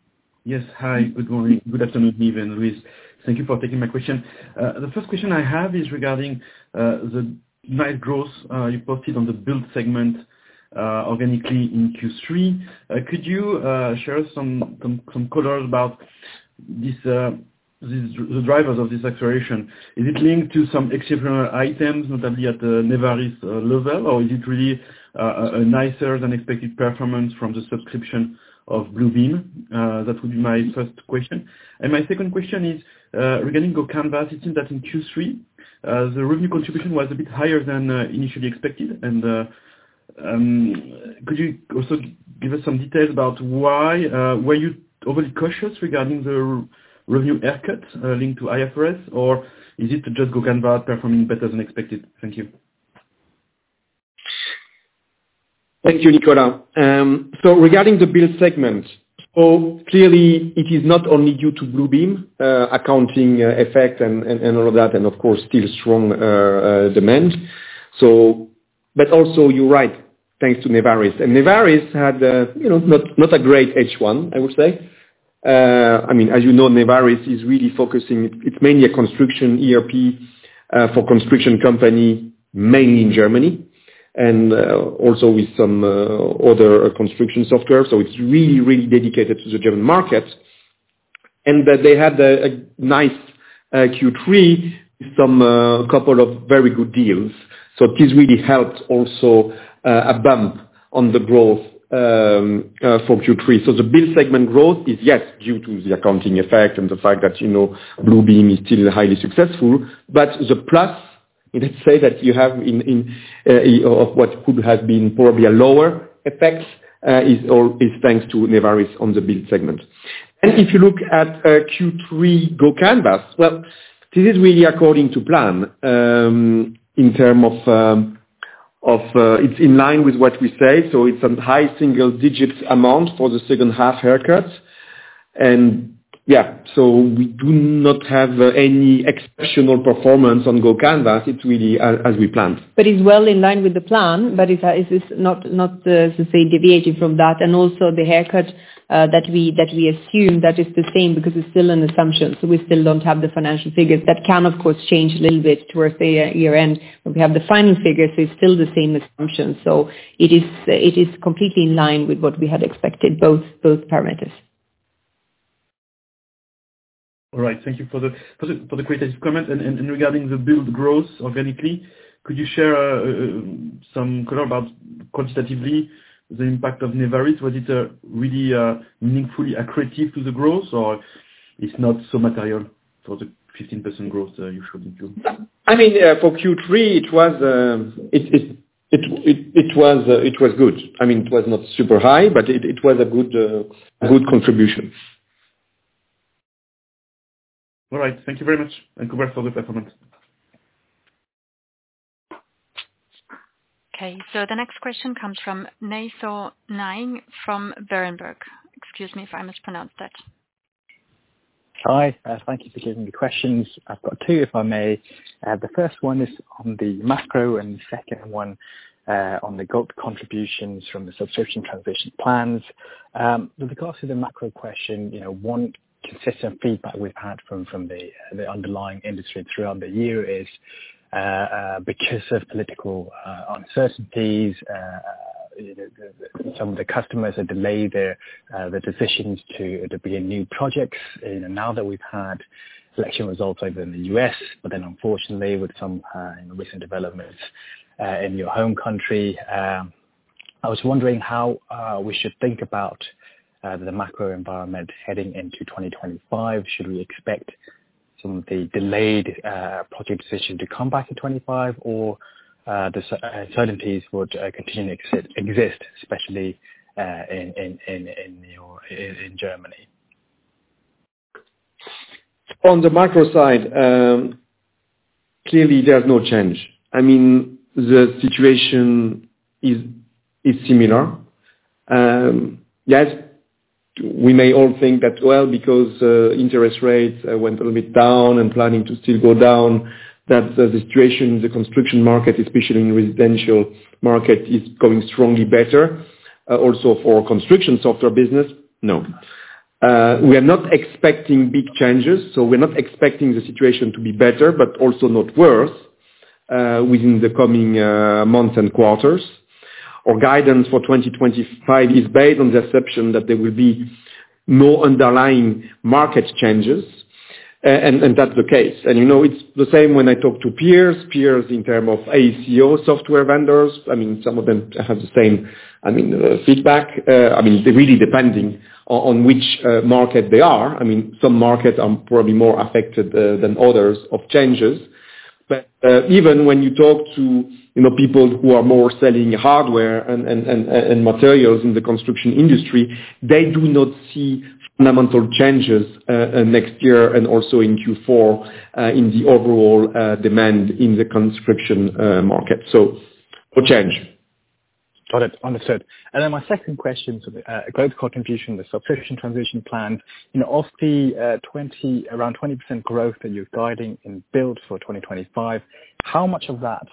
Yes, hi. Good morning. Good afternoon, Yves and Louise. Thank you for taking my question. The first question I have is regarding the net growth you posted on Build segment organically in Q3. Could you share some colors about the drivers of this acceleration? Is it linked to some exceptional items, notably at the Nevaris level, or is it really a nicer than expected performance from the subscription of Bluebeam? That would be my first question. And my second question is regarding GoCanvas. It seems that in Q3, the revenue contribution was a bit higher than initially expected. And could you also give us some details about why? Were you overly cautious regarding the revenue haircuts linked to IFRS, or is it just GoCanvas performing better than expected? Thank you. Thank you, Nicolas. So, regarding Build segment, so clearly, it is not only due to Bluebeam accounting effect and all of that, and, of course, still strong demand. So, but also, you're right, thanks to Nevaris. And Nevaris had not a great H1, I would say. I mean, as you know, Nevaris is really focusing; it's mainly a construction ERP for construction companies, mainly in Germany, and also with some other construction software. So, it's really, really dedicated to the German market. And they had a nice Q3 with some couple of very good deals. So, this really helped also a bump on the growth for Q3. Build segment growth is, yes, due to the accounting effect and the fact that Bluebeam is still highly successful. But the plus, let's say, that you have of what could have been probably a lower effect is thanks to Nevaris on Build segment. and if you look at Q3 GoCanvas, well, this is really according to plan in terms of it's in line with what we say. So, it's a high single-digit amount for the second-half haircuts. And yeah, so we do not have any exceptional performance on GoCanvas. It's really as we planned. But it's well in line with the plan, but it is not, so to say, deviated from that. And also, the haircut that we assume, that is the same because it's still an assumption. So, we still don't have the financial figures. That can, of course, change a little bit towards the year end. We have the final figures, so it's still the same assumption. So, it is completely in line with what we had expected, both parameters. All right. Thank you for the creative comment. And regarding the build growth organically, could you share some colors about quantitatively the impact of Nevaris? Was it really meaningfully accretive to the growth, or it's not so material for the 15% growth you showed me? I mean, for Q3, it was good. I mean, it was not super high, but it was a good contribution. All right. Thank you very much. And congrats for the performance. Okay. So, the next question comes from Nay Soe Naing from Berenberg. Excuse me if I mispronounced it. Hi. Thank you for giving me questions. I've got two, if I may. The first one is on the macro, and the second one on the growth contributions from the subscription transition plans. With regards to the macro question, one consistent feedback we've had from the underlying industry throughout the year is because of political uncertainties, some of the customers have delayed their decisions to begin new projects. And now that we've had election results over in the U.S., but then unfortunately, with some recent developments in your home country, I was wondering how we should think about the macro environment heading into 2025. Should we expect some of the delayed project decisions to come back in 2025, or the uncertainties would continue to exist, especially in Germany? On the macro side, clearly, there's no change. I mean, the situation is similar. Yes, we may all think that, well, because interest rates went a little bit down and planning to still go down, that the situation in the construction market, especially in residential market, is going strongly better. Also, for construction software business, no. We are not expecting big changes, so we're not expecting the situation to be better, but also not worse within the coming months and quarters. Our guidance for 2025 is based on the assumption that there will be no underlying market changes, and that's the case, and it's the same when I talk to peers, peers in terms of AEC/O software vendors. I mean, some of them have the same, I mean, feedback. I mean, it's really depending on which market they are. I mean, some markets are probably more affected than others of changes. But even when you talk to people who are more selling hardware and materials in the construction industry, they do not see fundamental changes next year and also in Q4 in the overall demand in the construction market. So, no change. Got it. Understood. And then my second question, so the growth contribution in the subscription transition plans, of the around 20% growth that you're guiding in build for 2025, how much of that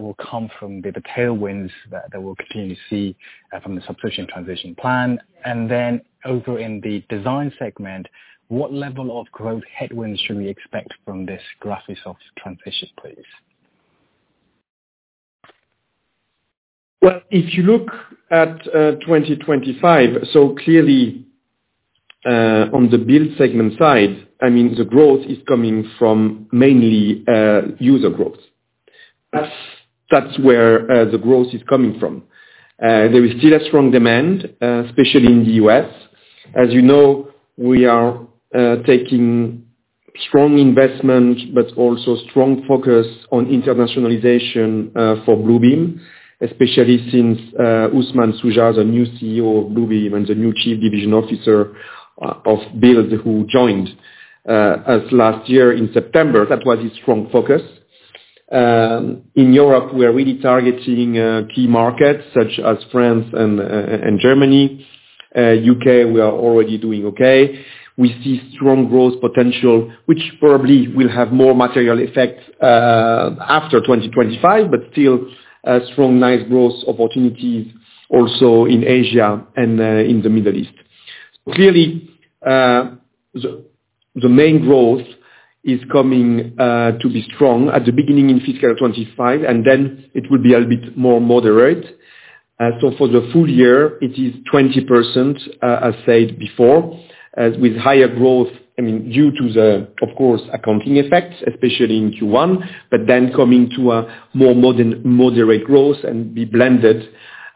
will come from the tailwinds that we'll continue to see from the subscription transition plan? And then over in the Design segment, what level of growth headwinds should we expect from this Graphisoft transition, please? Well, if you look at 2025, so clearly, on Build segment side, I mean, the growth is coming from mainly user growth. That's where the growth is coming from. There is still a strong demand, especially in the U.S. As you know, we are taking strong investment, but also strong focus on internationalization for Bluebeam, especially since Usman Shuja, the new CEO of Bluebeam and the new Chief Division Officer of Build, who joined us last year in September, that was his strong focus. In Europe, we are really targeting key markets such as France and Germany. U.K., we are already doing okay. We see strong growth potential, which probably will have more material effect after 2025, but still strong, nice growth opportunities also in Asia and in the Middle East. Clearly, the main growth is coming to be strong at the beginning in fiscal 2025, and then it will be a bit more moderate. For the full year, it is 20%, as I said before, with higher growth, I mean, due to the, of course, accounting effects, especially in Q1, but then coming to a more moderate growth and be blended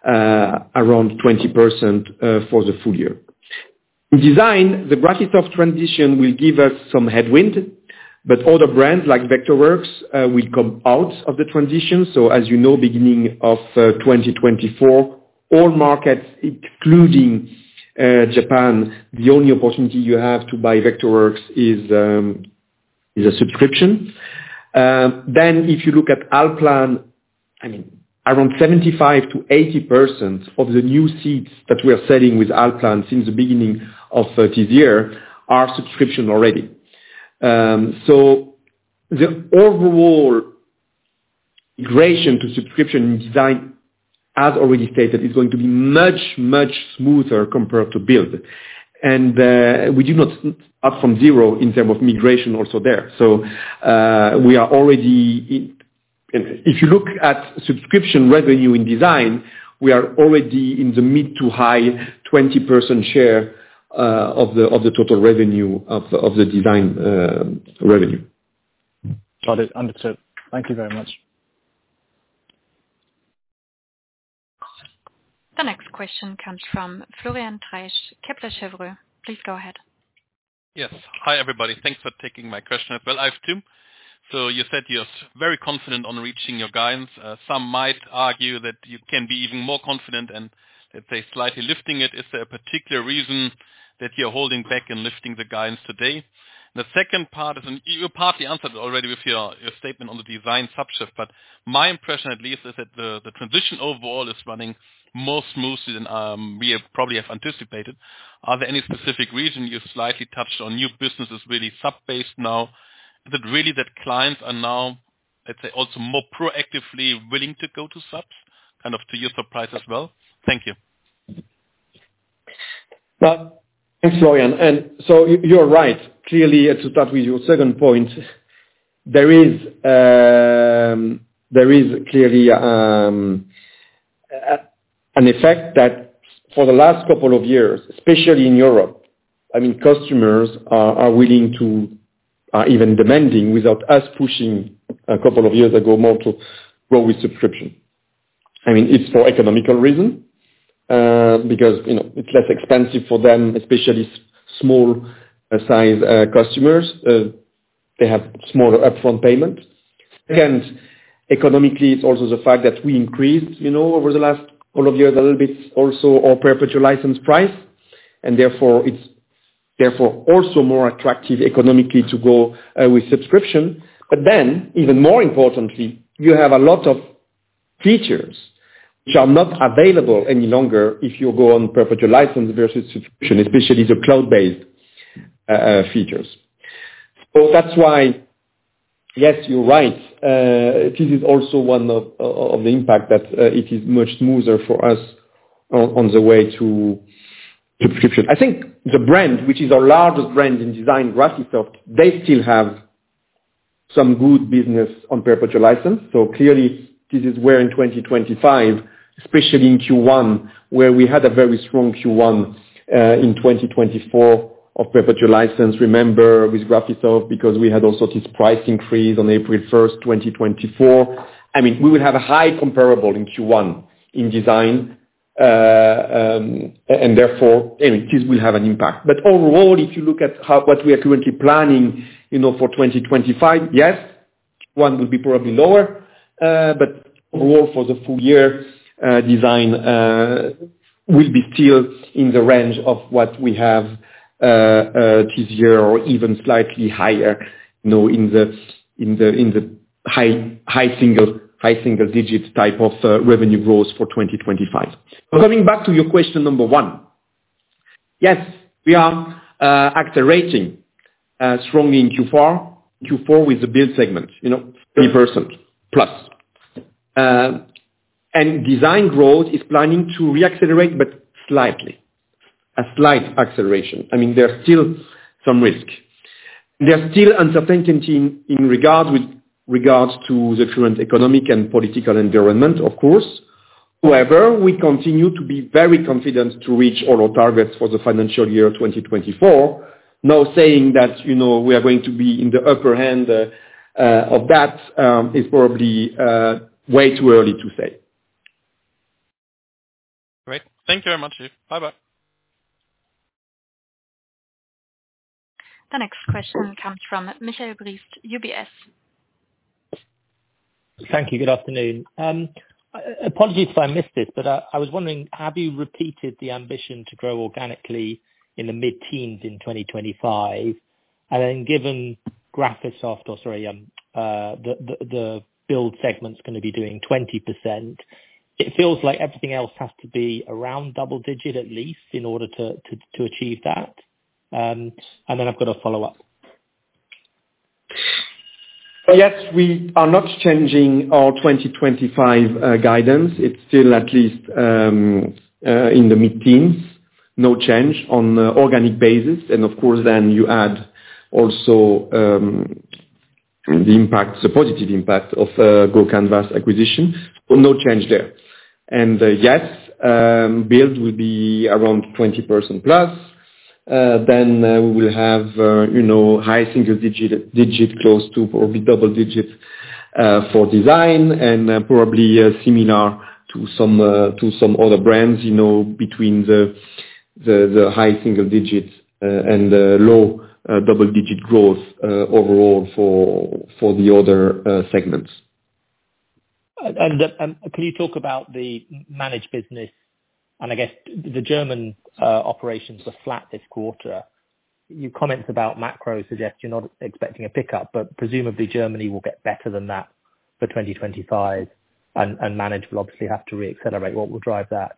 around 20% for the full year. In Design, the Graphisoft transition will give us some headwind, but other brands like Vectorworks will come out of the transition. As you know, beginning of 2024, all markets, excluding Japan, the only opportunity you have to buy Vectorworks is a subscription. Then, if you look at Allplan, I mean, around 75%-80% of the new seats that we are selling with Allplan since the beginning of this year are subscription already. So, the overall migration to subscription in Design, as already stated, is going to be much, much smoother compared to build. We do not start from zero in terms of migration also there. We are already in, if you look at subscription revenue in Design, we are already in the mid- to high-20% share of the total revenue of the Design revenue. Got it. Understood. Thank you very much. The next question comes from Florian Treisch, Kepler Cheuvreux. Please go ahead. Yes. Hi, everybody. Thanks for taking my question. I have two. You said you're very confident on reaching your guidance. Some might argue that you can be even more confident and, let's say, slightly lifting it. Is there a particular reason that you're holding back in lifting the guidance today? The second part is, and you partly answered it already with your statement on the Design subscription shift, but my impression, at least, is that the transition overall is running more smoothly than we probably have anticipated. Are there any specific reasons you slightly touched on new businesses really sub-based now? Is it really that clients are now, let's say, also more proactively willing to go to subs, kind of to your surprise as well? Thank you. Well, thanks, Florian. And so, you're right. Clearly, to start with your second point, there is clearly an effect that for the last couple of years, especially in Europe, I mean, customers are willing to, are even demanding without us pushing a couple of years ago more to grow with subscription. I mean, it's for economical reasons because it's less expensive for them, especially small-sized customers. They have smaller upfront payments. Second, economically, it's also the fact that we increased over the last couple of years a little bit also our perpetual license price. And therefore, it's therefore also more attractive economically to go with subscription. But then, even more importantly, you have a lot of features which are not available any longer if you go on perpetual license versus subscription, especially the cloud-based features. So, that's why, yes, you're right. This is also one of the impacts that it is much smoother for us on the way to subscription. I think the brand, which is our largest brand in Design, Graphisoft, they still have some good business on perpetual license. So, clearly, this is where in 2025, especially in Q1, where we had a very strong Q1 in 2024 of perpetual license. Remember with Graphisoft because we had also this price increase on April 1st, 2024. I mean, we will have a high comparable in Q1 in Design. And therefore, I mean, this will have an impact. But overall, if you look at what we are currently planning for 2025, yes, Q1 will be probably lower. But overall, for the full year, Design will be still in the range of what we have this year or even slightly higher in the high single-digit type of revenue growth for 2025. So, coming back to your question number one, yes, we are accelerating strongly in Q4 with Build segment, 30%+. And Design growth is planning to reaccelerate, but slightly, a slight acceleration. I mean, there's still some risk. There's still uncertainty in regards to the current economic and political environment, of course. However, we continue to be very confident to reach all our targets for the financial year 2024. Now, saying that we are going to be in the upper hand of that is probably way too early to say. Great. Thank you very much, Yves. Bye-bye. The next question comes from Michael Briest, UBS. Thank you. Good afternoon. Apologies if I missed this, but I was wondering, have you repeated the ambition to grow organically in the mid-teens in 2025? And then, given Graphisoft or, sorry, Build segment's going to be doing 20%, it feels like everything else has to be around double-digit at least in order to achieve that. And then I've got a follow-up. Yes, we are not changing our 2025 guidance. It's still at least in the mid-teens, no change on the organic basis. And of course, then you add also the impact, the positive impact of GoCanvas acquisition. No change there. And yes, build will be around 20% plus. Then we will have high single-digit close to probably double-digit for Design and probably similar to some other brands between the high single-digit and low double-digit growth overall for the other segments. And can you talk about the Manage business? And I guess the German operations were flat this quarter. Your comments about macro suggest you're not expecting a pickup, but presumably Germany will get better than that for 2025, and manage will obviously have to reaccelerate. What will drive that?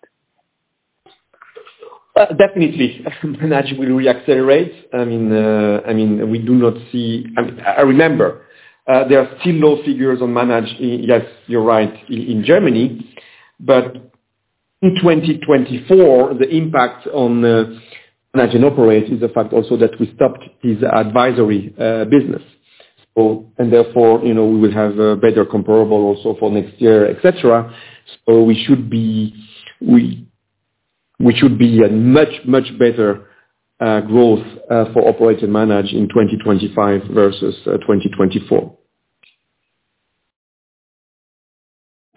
Definitely. Manage will reaccelerate. I mean, we do not see. I remember there are still low figures on managed, yes, you're right, in Germany. But in 2024, the impact on Manage and Operate is the fact also that we stopped this advisory business. And therefore, we will have a better comparable also for next year, etc. So, we should be a much, much better growth for Operate and Manage in 2025 versus 2024.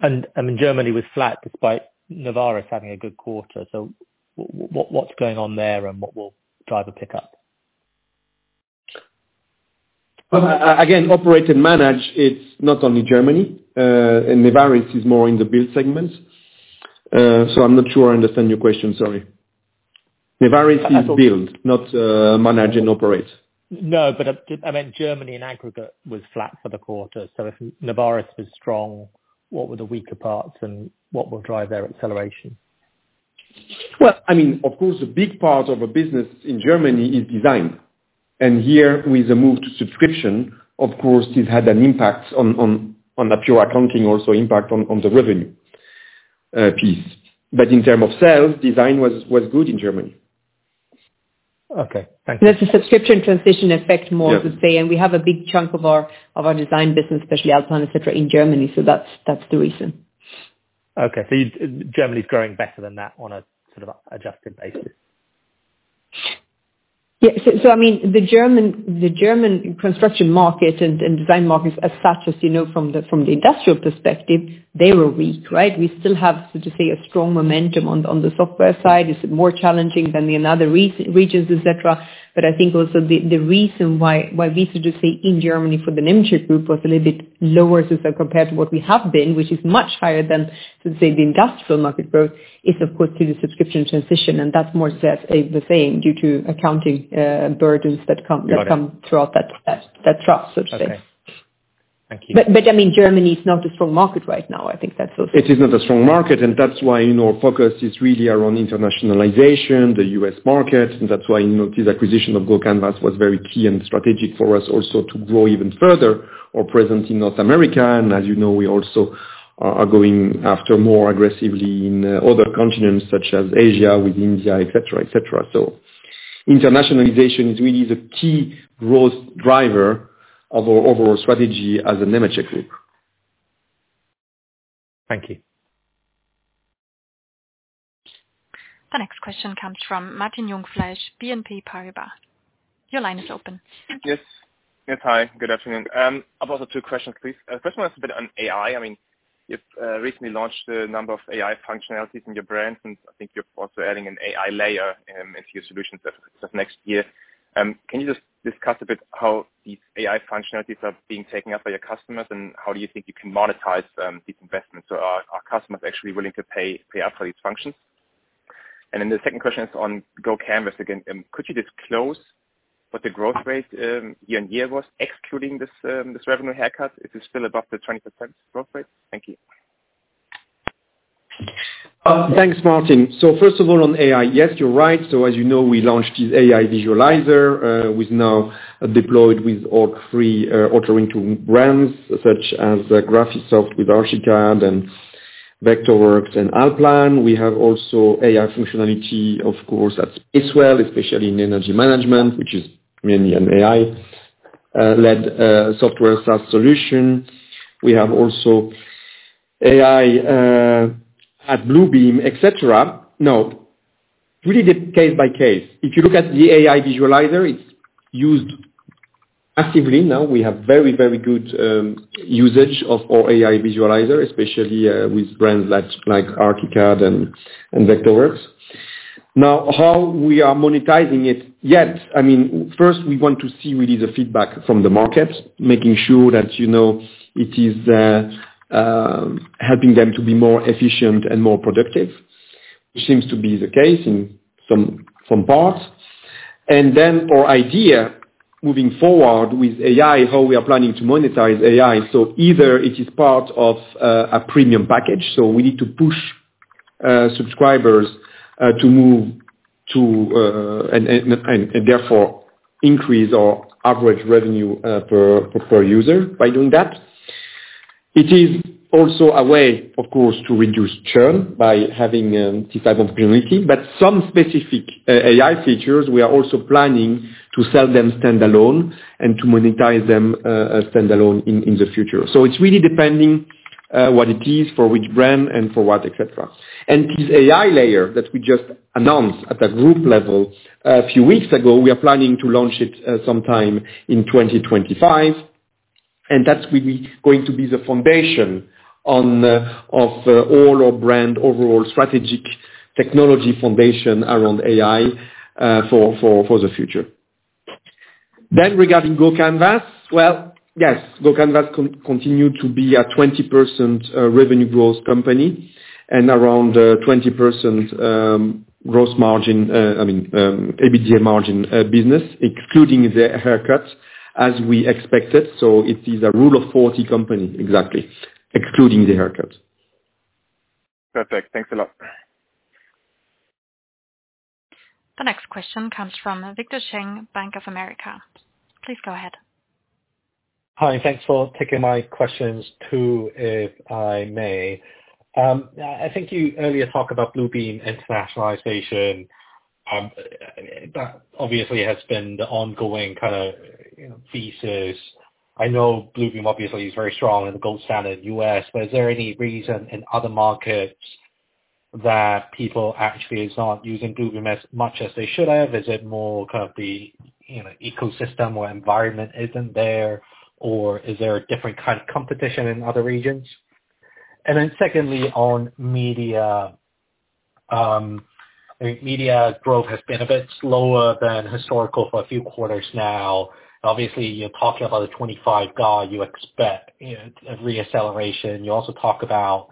And I mean, Germany was flat despite Nevaris having a good quarter. So, what's going on there and what will drive a pickup? Well, again, Operate and Manage, it's not only Germany. Nevaris is more in Build segment. so, I'm not sure I understand your question. Sorry. Nevaris is Build, not Manage and Operate. No, but I meant, Germany in aggregate was flat for the quarter. So, if Nevaris was strong, what were the weaker parts and what will drive their acceleration? Well, I mean, of course, a big part of a business in Germany is Design. And here, with the move to subscription, of course, this had an impact on the pure accounting also impact on the revenue piece. But in terms of sales, Design was good in Germany. Okay. Thanks. It's a subscription transition effect more, I would say, and we have a big chunk of our Design business, especially Allplan, etc., in Germany. That's the reason. Germany is growing better than that on a sort of adjusted basis. I mean, the German construction market and Design markets as such, as you know, from the industrial perspective, they were weak, right? We still have, so to say, a strong momentum on the software side. It's more challenging than the other regions, etc. I think also the reason why we, so to say, in Germany for the Nemetschek Group was a little bit lower so compared to what we have been, which is much higher than, so to say, the industrial market growth, is of course due to subscription transition. And that's more or less the same due to accounting burdens that come throughout the year, so to say. Okay. Thank you. But I mean, Germany is not a strong market right now. I think that's also. It is not a strong market. And that's why our focus is really around internationalization, the US market. And that's why I noticed the acquisition of GoCanvas was very key and strategic for us also to grow even further our presence in North America. And as you know, we also are going after more aggressively in other continents such as Asia with India, etc., etc. So, internationalization is really the key growth driver of our overall strategy as a Nemetschek Group. Thank you. The next question comes from Martin Jungfleisch, BNP Paribas. Your line is open. Yes. Yes. Hi. Good afternoon. I've also two questions, please. The first one is a bit on AI. I mean, you've recently launched a number of AI functionalities in your brand, and I think you're also adding an AI layer into your solutions for next year. Can you just discuss a bit how these AI functionalities are being taken up by your customers, and how do you think you can monetize these investments? So, are customers actually willing to pay up for these functions? And then the second question is on GoCanvas. Again, could you disclose what the growth rate year on year was excluding this revenue haircut? Is it still above the 20% growth rate? Thank you. Thanks, Martin. So, first of all, on AI, yes, you're right. So, as you know, we launched this AI Visualizer. We've now deployed with all three authoring tool brands such as Graphisoft with Archicad and Vectorworks and Allplan. We have also AI functionality, of course, at Spacewell, especially in energy management, which is mainly an AI-led software SaaS solution. We have also AI at Bluebeam, etc. Now, really case by case. If you look at the AI Visualizer, it's used actively now. We have very, very good usage of our AI Visualizer, especially with brands like Archicad and Vectorworks. Now, how we are monetizing it yet? I mean, first, we want to see really the feedback from the market, making sure that it is helping them to be more efficient and more productive, which seems to be the case in some parts, and then our idea moving forward with AI, how we are planning to monetize AI. So, either it is part of a premium package, so we need to push subscribers to move to and therefore increase our average revenue per user by doing that. It is also a way, of course, to reduce churn by having a decent opportunity. But some specific AI features, we are also planning to sell them standalone and to monetize them standalone in the future. So, it's really depending what it is for which brand and for what, etc. And this AI layer that we just announced at the group level a few weeks ago, we are planning to launch it sometime in 2025. And that's going to be the foundation of all our brand overall strategic technology foundation around AI for the future. Then regarding GoCanvas, well, yes, GoCanvas continues to be a 20% revenue growth company and around 20% gross margin, I mean, EBITDA margin business, excluding the haircut as we expected. So, it is a Rule of 40 company, exactly, excluding the haircut. Perfect. Thanks a lot. The next question comes from Victor Cheng, Bank of America. Please go ahead. Hi. Thanks for taking my questions too, if I may. I think you earlier talked about Bluebeam internationalization. That obviously has been the ongoing kind of thesis. I know Bluebeam obviously is very strong in the gold standard in the U.S. but is there any reason in other markets that people actually are not using Bluebeam as much as they should have? Is it more kind of the ecosystem or environment isn't there, or is there a different kind of competition in other regions? And then secondly, on Media, I think Media growth has been a bit slower than historical for a few quarters now. Obviously, you're talking about the 25% growth, you expect a reacceleration. You also talk about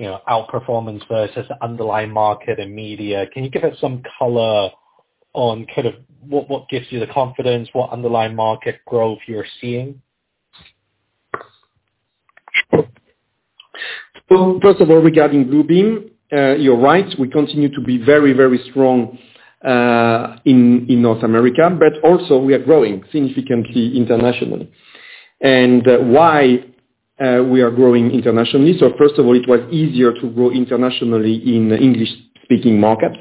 outperformance versus underlying market and Media. Can you give us some color on kind of what gives you the confidence, what underlying market growth you're seeing? So, first of all, regarding Bluebeam, you're right. We continue to be very, very strong in North America, but also we are growing significantly internationally. And why we are growing internationally? So, first of all, it was easier to grow internationally in English-speaking markets.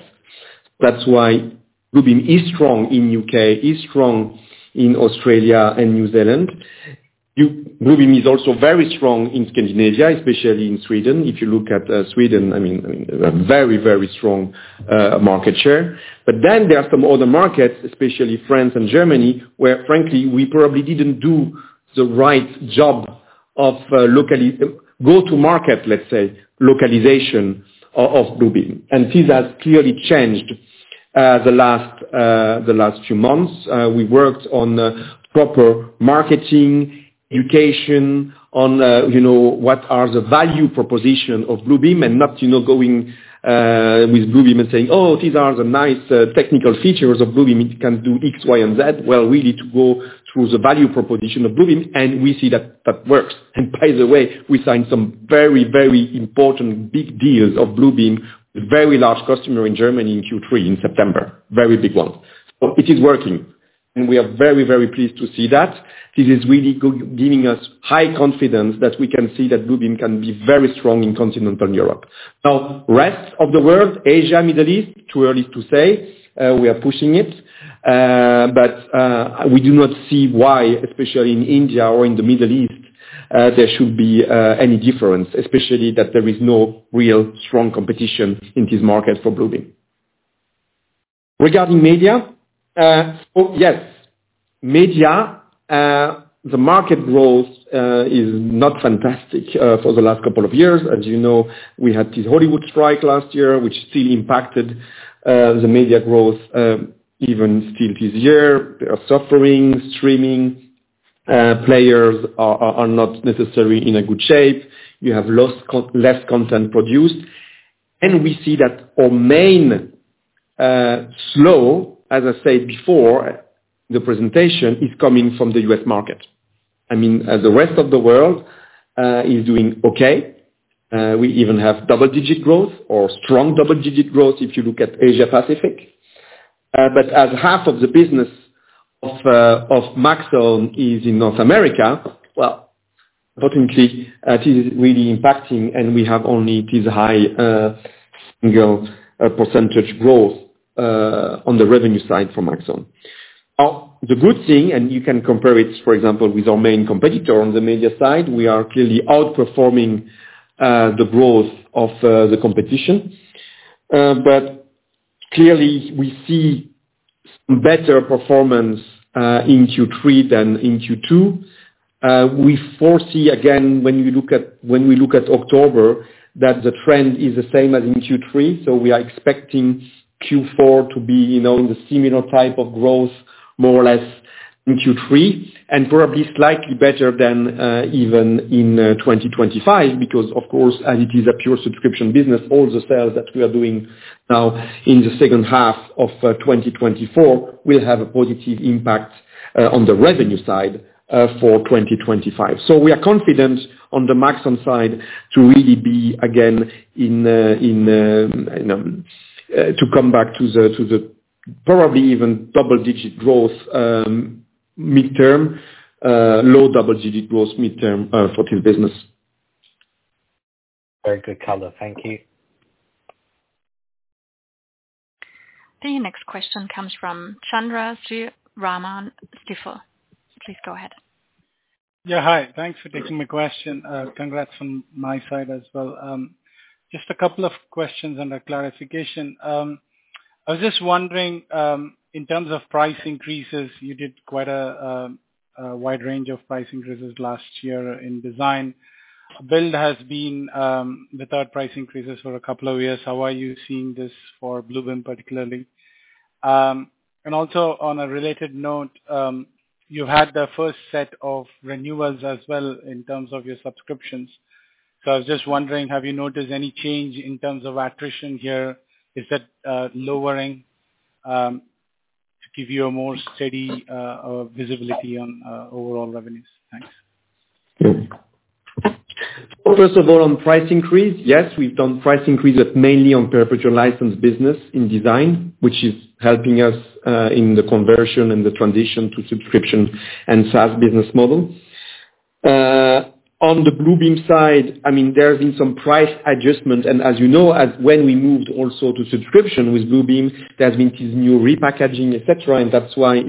That's why Bluebeam is strong in the U.K., is strong in Australia and New Zealand. Bluebeam is also very strong in Scandinavia, especially in Sweden. If you look at Sweden, I mean, a very, very strong market share. But then there are some other markets, especially France and Germany, where, frankly, we probably didn't do the right job of go-to-market, let's say, localization of Bluebeam. And this has clearly changed the last few months. We worked on proper marketing, education on what are the value propositions of Bluebeam and not going with Bluebeam and saying, "Oh, these are the nice technical features of Bluebeam. It can do X, Y, and Z." Well, we need to go through the value propositions of Bluebeam, and we see that that works. And by the way, we signed some very, very important big deals of Bluebeam, a very large customer in Germany in Q3 in September, very big ones. So, it is working. And we are very, very pleased to see that. This is really giving us high confidence that we can see that Bluebeam can be very strong in continental Europe. Now, rest of the world, Asia, Middle East, too early to say, we are pushing it. But we do not see why, especially in India or in the Middle East, there should be any difference, especially that there is no real strong competition in this market for Bluebeam. Regarding Media, yes, Media, the market growth is not fantastic for the last couple of years. As you know, we had this Hollywood strike last year, which still impacted the Media growth even still this year. They are suffering. Streaming players are not necessarily in a good shape. You have less content produced. And we see that our main slowdown, as I said before in the presentation, is coming from the U.S. market. I mean, the rest of the world is doing okay. We even have double-digit growth or strong double-digit growth if you look at Asia-Pacific. But as half of the business of Maxon is in North America, well, unfortunately, this is really impacting, and we have only this high single percentage growth on the revenue side for Maxon. Now, the good thing, and you can compare it, for example, with our main competitor on the Media side, we are clearly outperforming the growth of the competition. But clearly, we see better performance in Q3 than in Q2. We foresee, again, when we look at October, that the trend is the same as in Q3. So, we are expecting Q4 to be in the similar type of growth, more or less, in Q3, and probably slightly better than even in 2025 because, of course, as it is a pure subscription business, all the sales that we are doing now in the second half of 2024 will have a positive impact on the revenue side for 2025. So, we are confident on the Maxon side to really be, again, in to come back to the probably even double-digit growth midterm, low double-digit growth midterm for this business. Very good color. Thank you. The next question comes from Chandra Sriraman, Stifel. Please go ahead. Yeah. Hi. Thanks for taking my question. Congrats from my side as well. Just a couple of questions and a clarification. I was just wondering, in terms of price increases, you did quite a wide range of price increases last year in Design. Build has been without price increases for a couple of years. How are you seeing this for Bluebeam particularly? And also, on a related note, you had the first set of renewals as well in terms of your subscriptions. So, I was just wondering, have you noticed any change in terms of attrition here? Is it lowering to give you a more steady visibility on overall revenues? Thanks. Well, first of all, on price increase, yes, we've done price increases, but mainly on perpetual license business in Design, which is helping us in the conversion and the transition to subscription and SaaS business model. On the Bluebeam side, I mean, there's been some price adjustment. And as you know, when we moved also to subscription with Bluebeam, there's been this new repackaging, etc. And that's why, as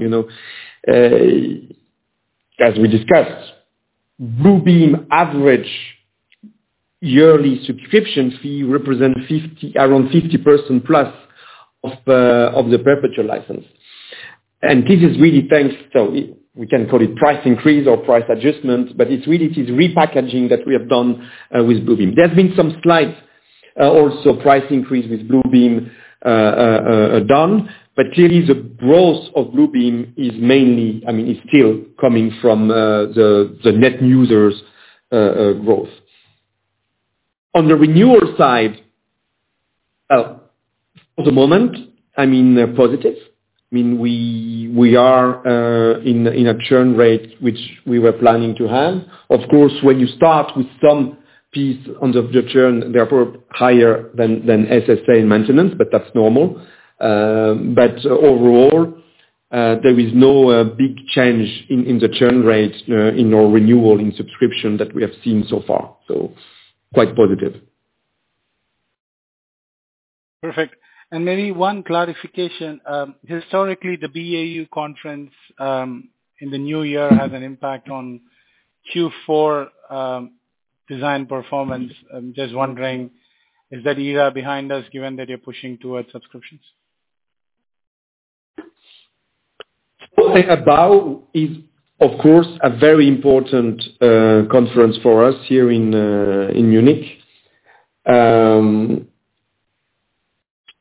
we discussed, Bluebeam average yearly subscription fee represents around 50% plus of the perpetual license. And this is really thanks to, we can call it price increase or price adjustment, but it's really this repackaging that we have done with Bluebeam. There's been some slight also price increase with Bluebeam done, but clearly, the growth of Bluebeam is mainly, I mean, is still coming from the net users' growth. On the renewal side, well, for the moment, I mean, positive. I mean, we are in a churn rate which we were planning to have. Of course, when you start with some piece under the churn, they're probably higher than SaaS maintenance, but that's normal. But overall, there is no big change in the churn rate in our renewal in subscription that we have seen so far. So, quite positive. Perfect. And maybe one clarification. Historically, the BAU conference in the new year has an impact on Q4 Design performance. I'm just wondering, is that era behind us given that you're pushing towards subscriptions? So, BAU is, of course, a very important conference for us here in Munich. I'm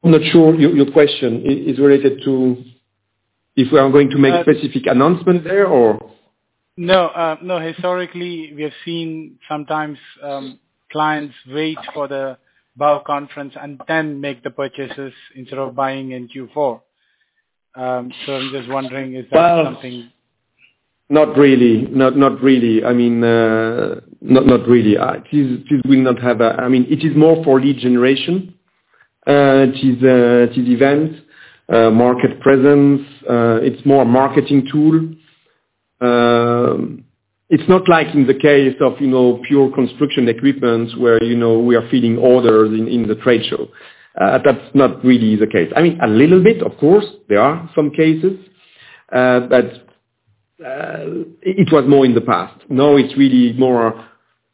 not sure your question is related to if we are going to make specific announcements there or. No. No, historically, we have seen sometimes clients wait for the BAU conference and then make the purchases instead of buying in Q4. So, I'm just wondering, is that something? Not really. Not really. I mean, not really. This will not have a. I mean, it is more for lead generation, which is events, market presence. It's more a marketing tool. It's not like in the case of pure construction equipment where we are fielding orders in the trade show. That's not really the case. I mean, a little bit, of course. There are some cases, but it was more in the past. Now, it's really more a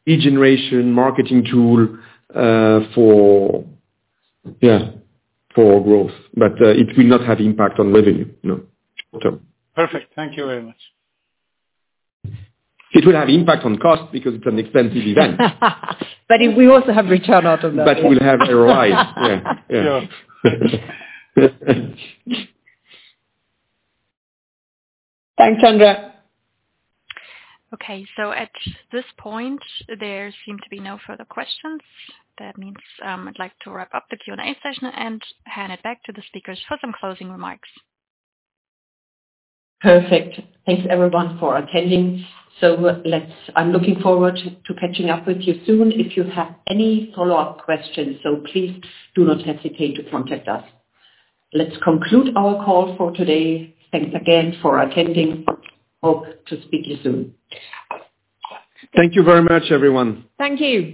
lead generation marketing tool for growth, but it will not have impact on revenue, no, short-term. Perfect. Thank you very much. It will have impact on cost because it's an expensive event, but we also have return out of that. But we'll have a rise. Yeah. Yeah. Thanks. Okay. so, at this point, there seem to be no further questions. That means I'd like to wrap up the Q&A session and hand it back to the speakers for some closing remarks. Perfect. Thanks, everyone, for attending. So, I'm looking forward to catching up with you soon. If you have any follow-up questions, please do not hesitate to contact us. Let's conclude our call for today. Thanks again for attending. Hope to speak to you soon. Thank you very much, everyone. Thank you.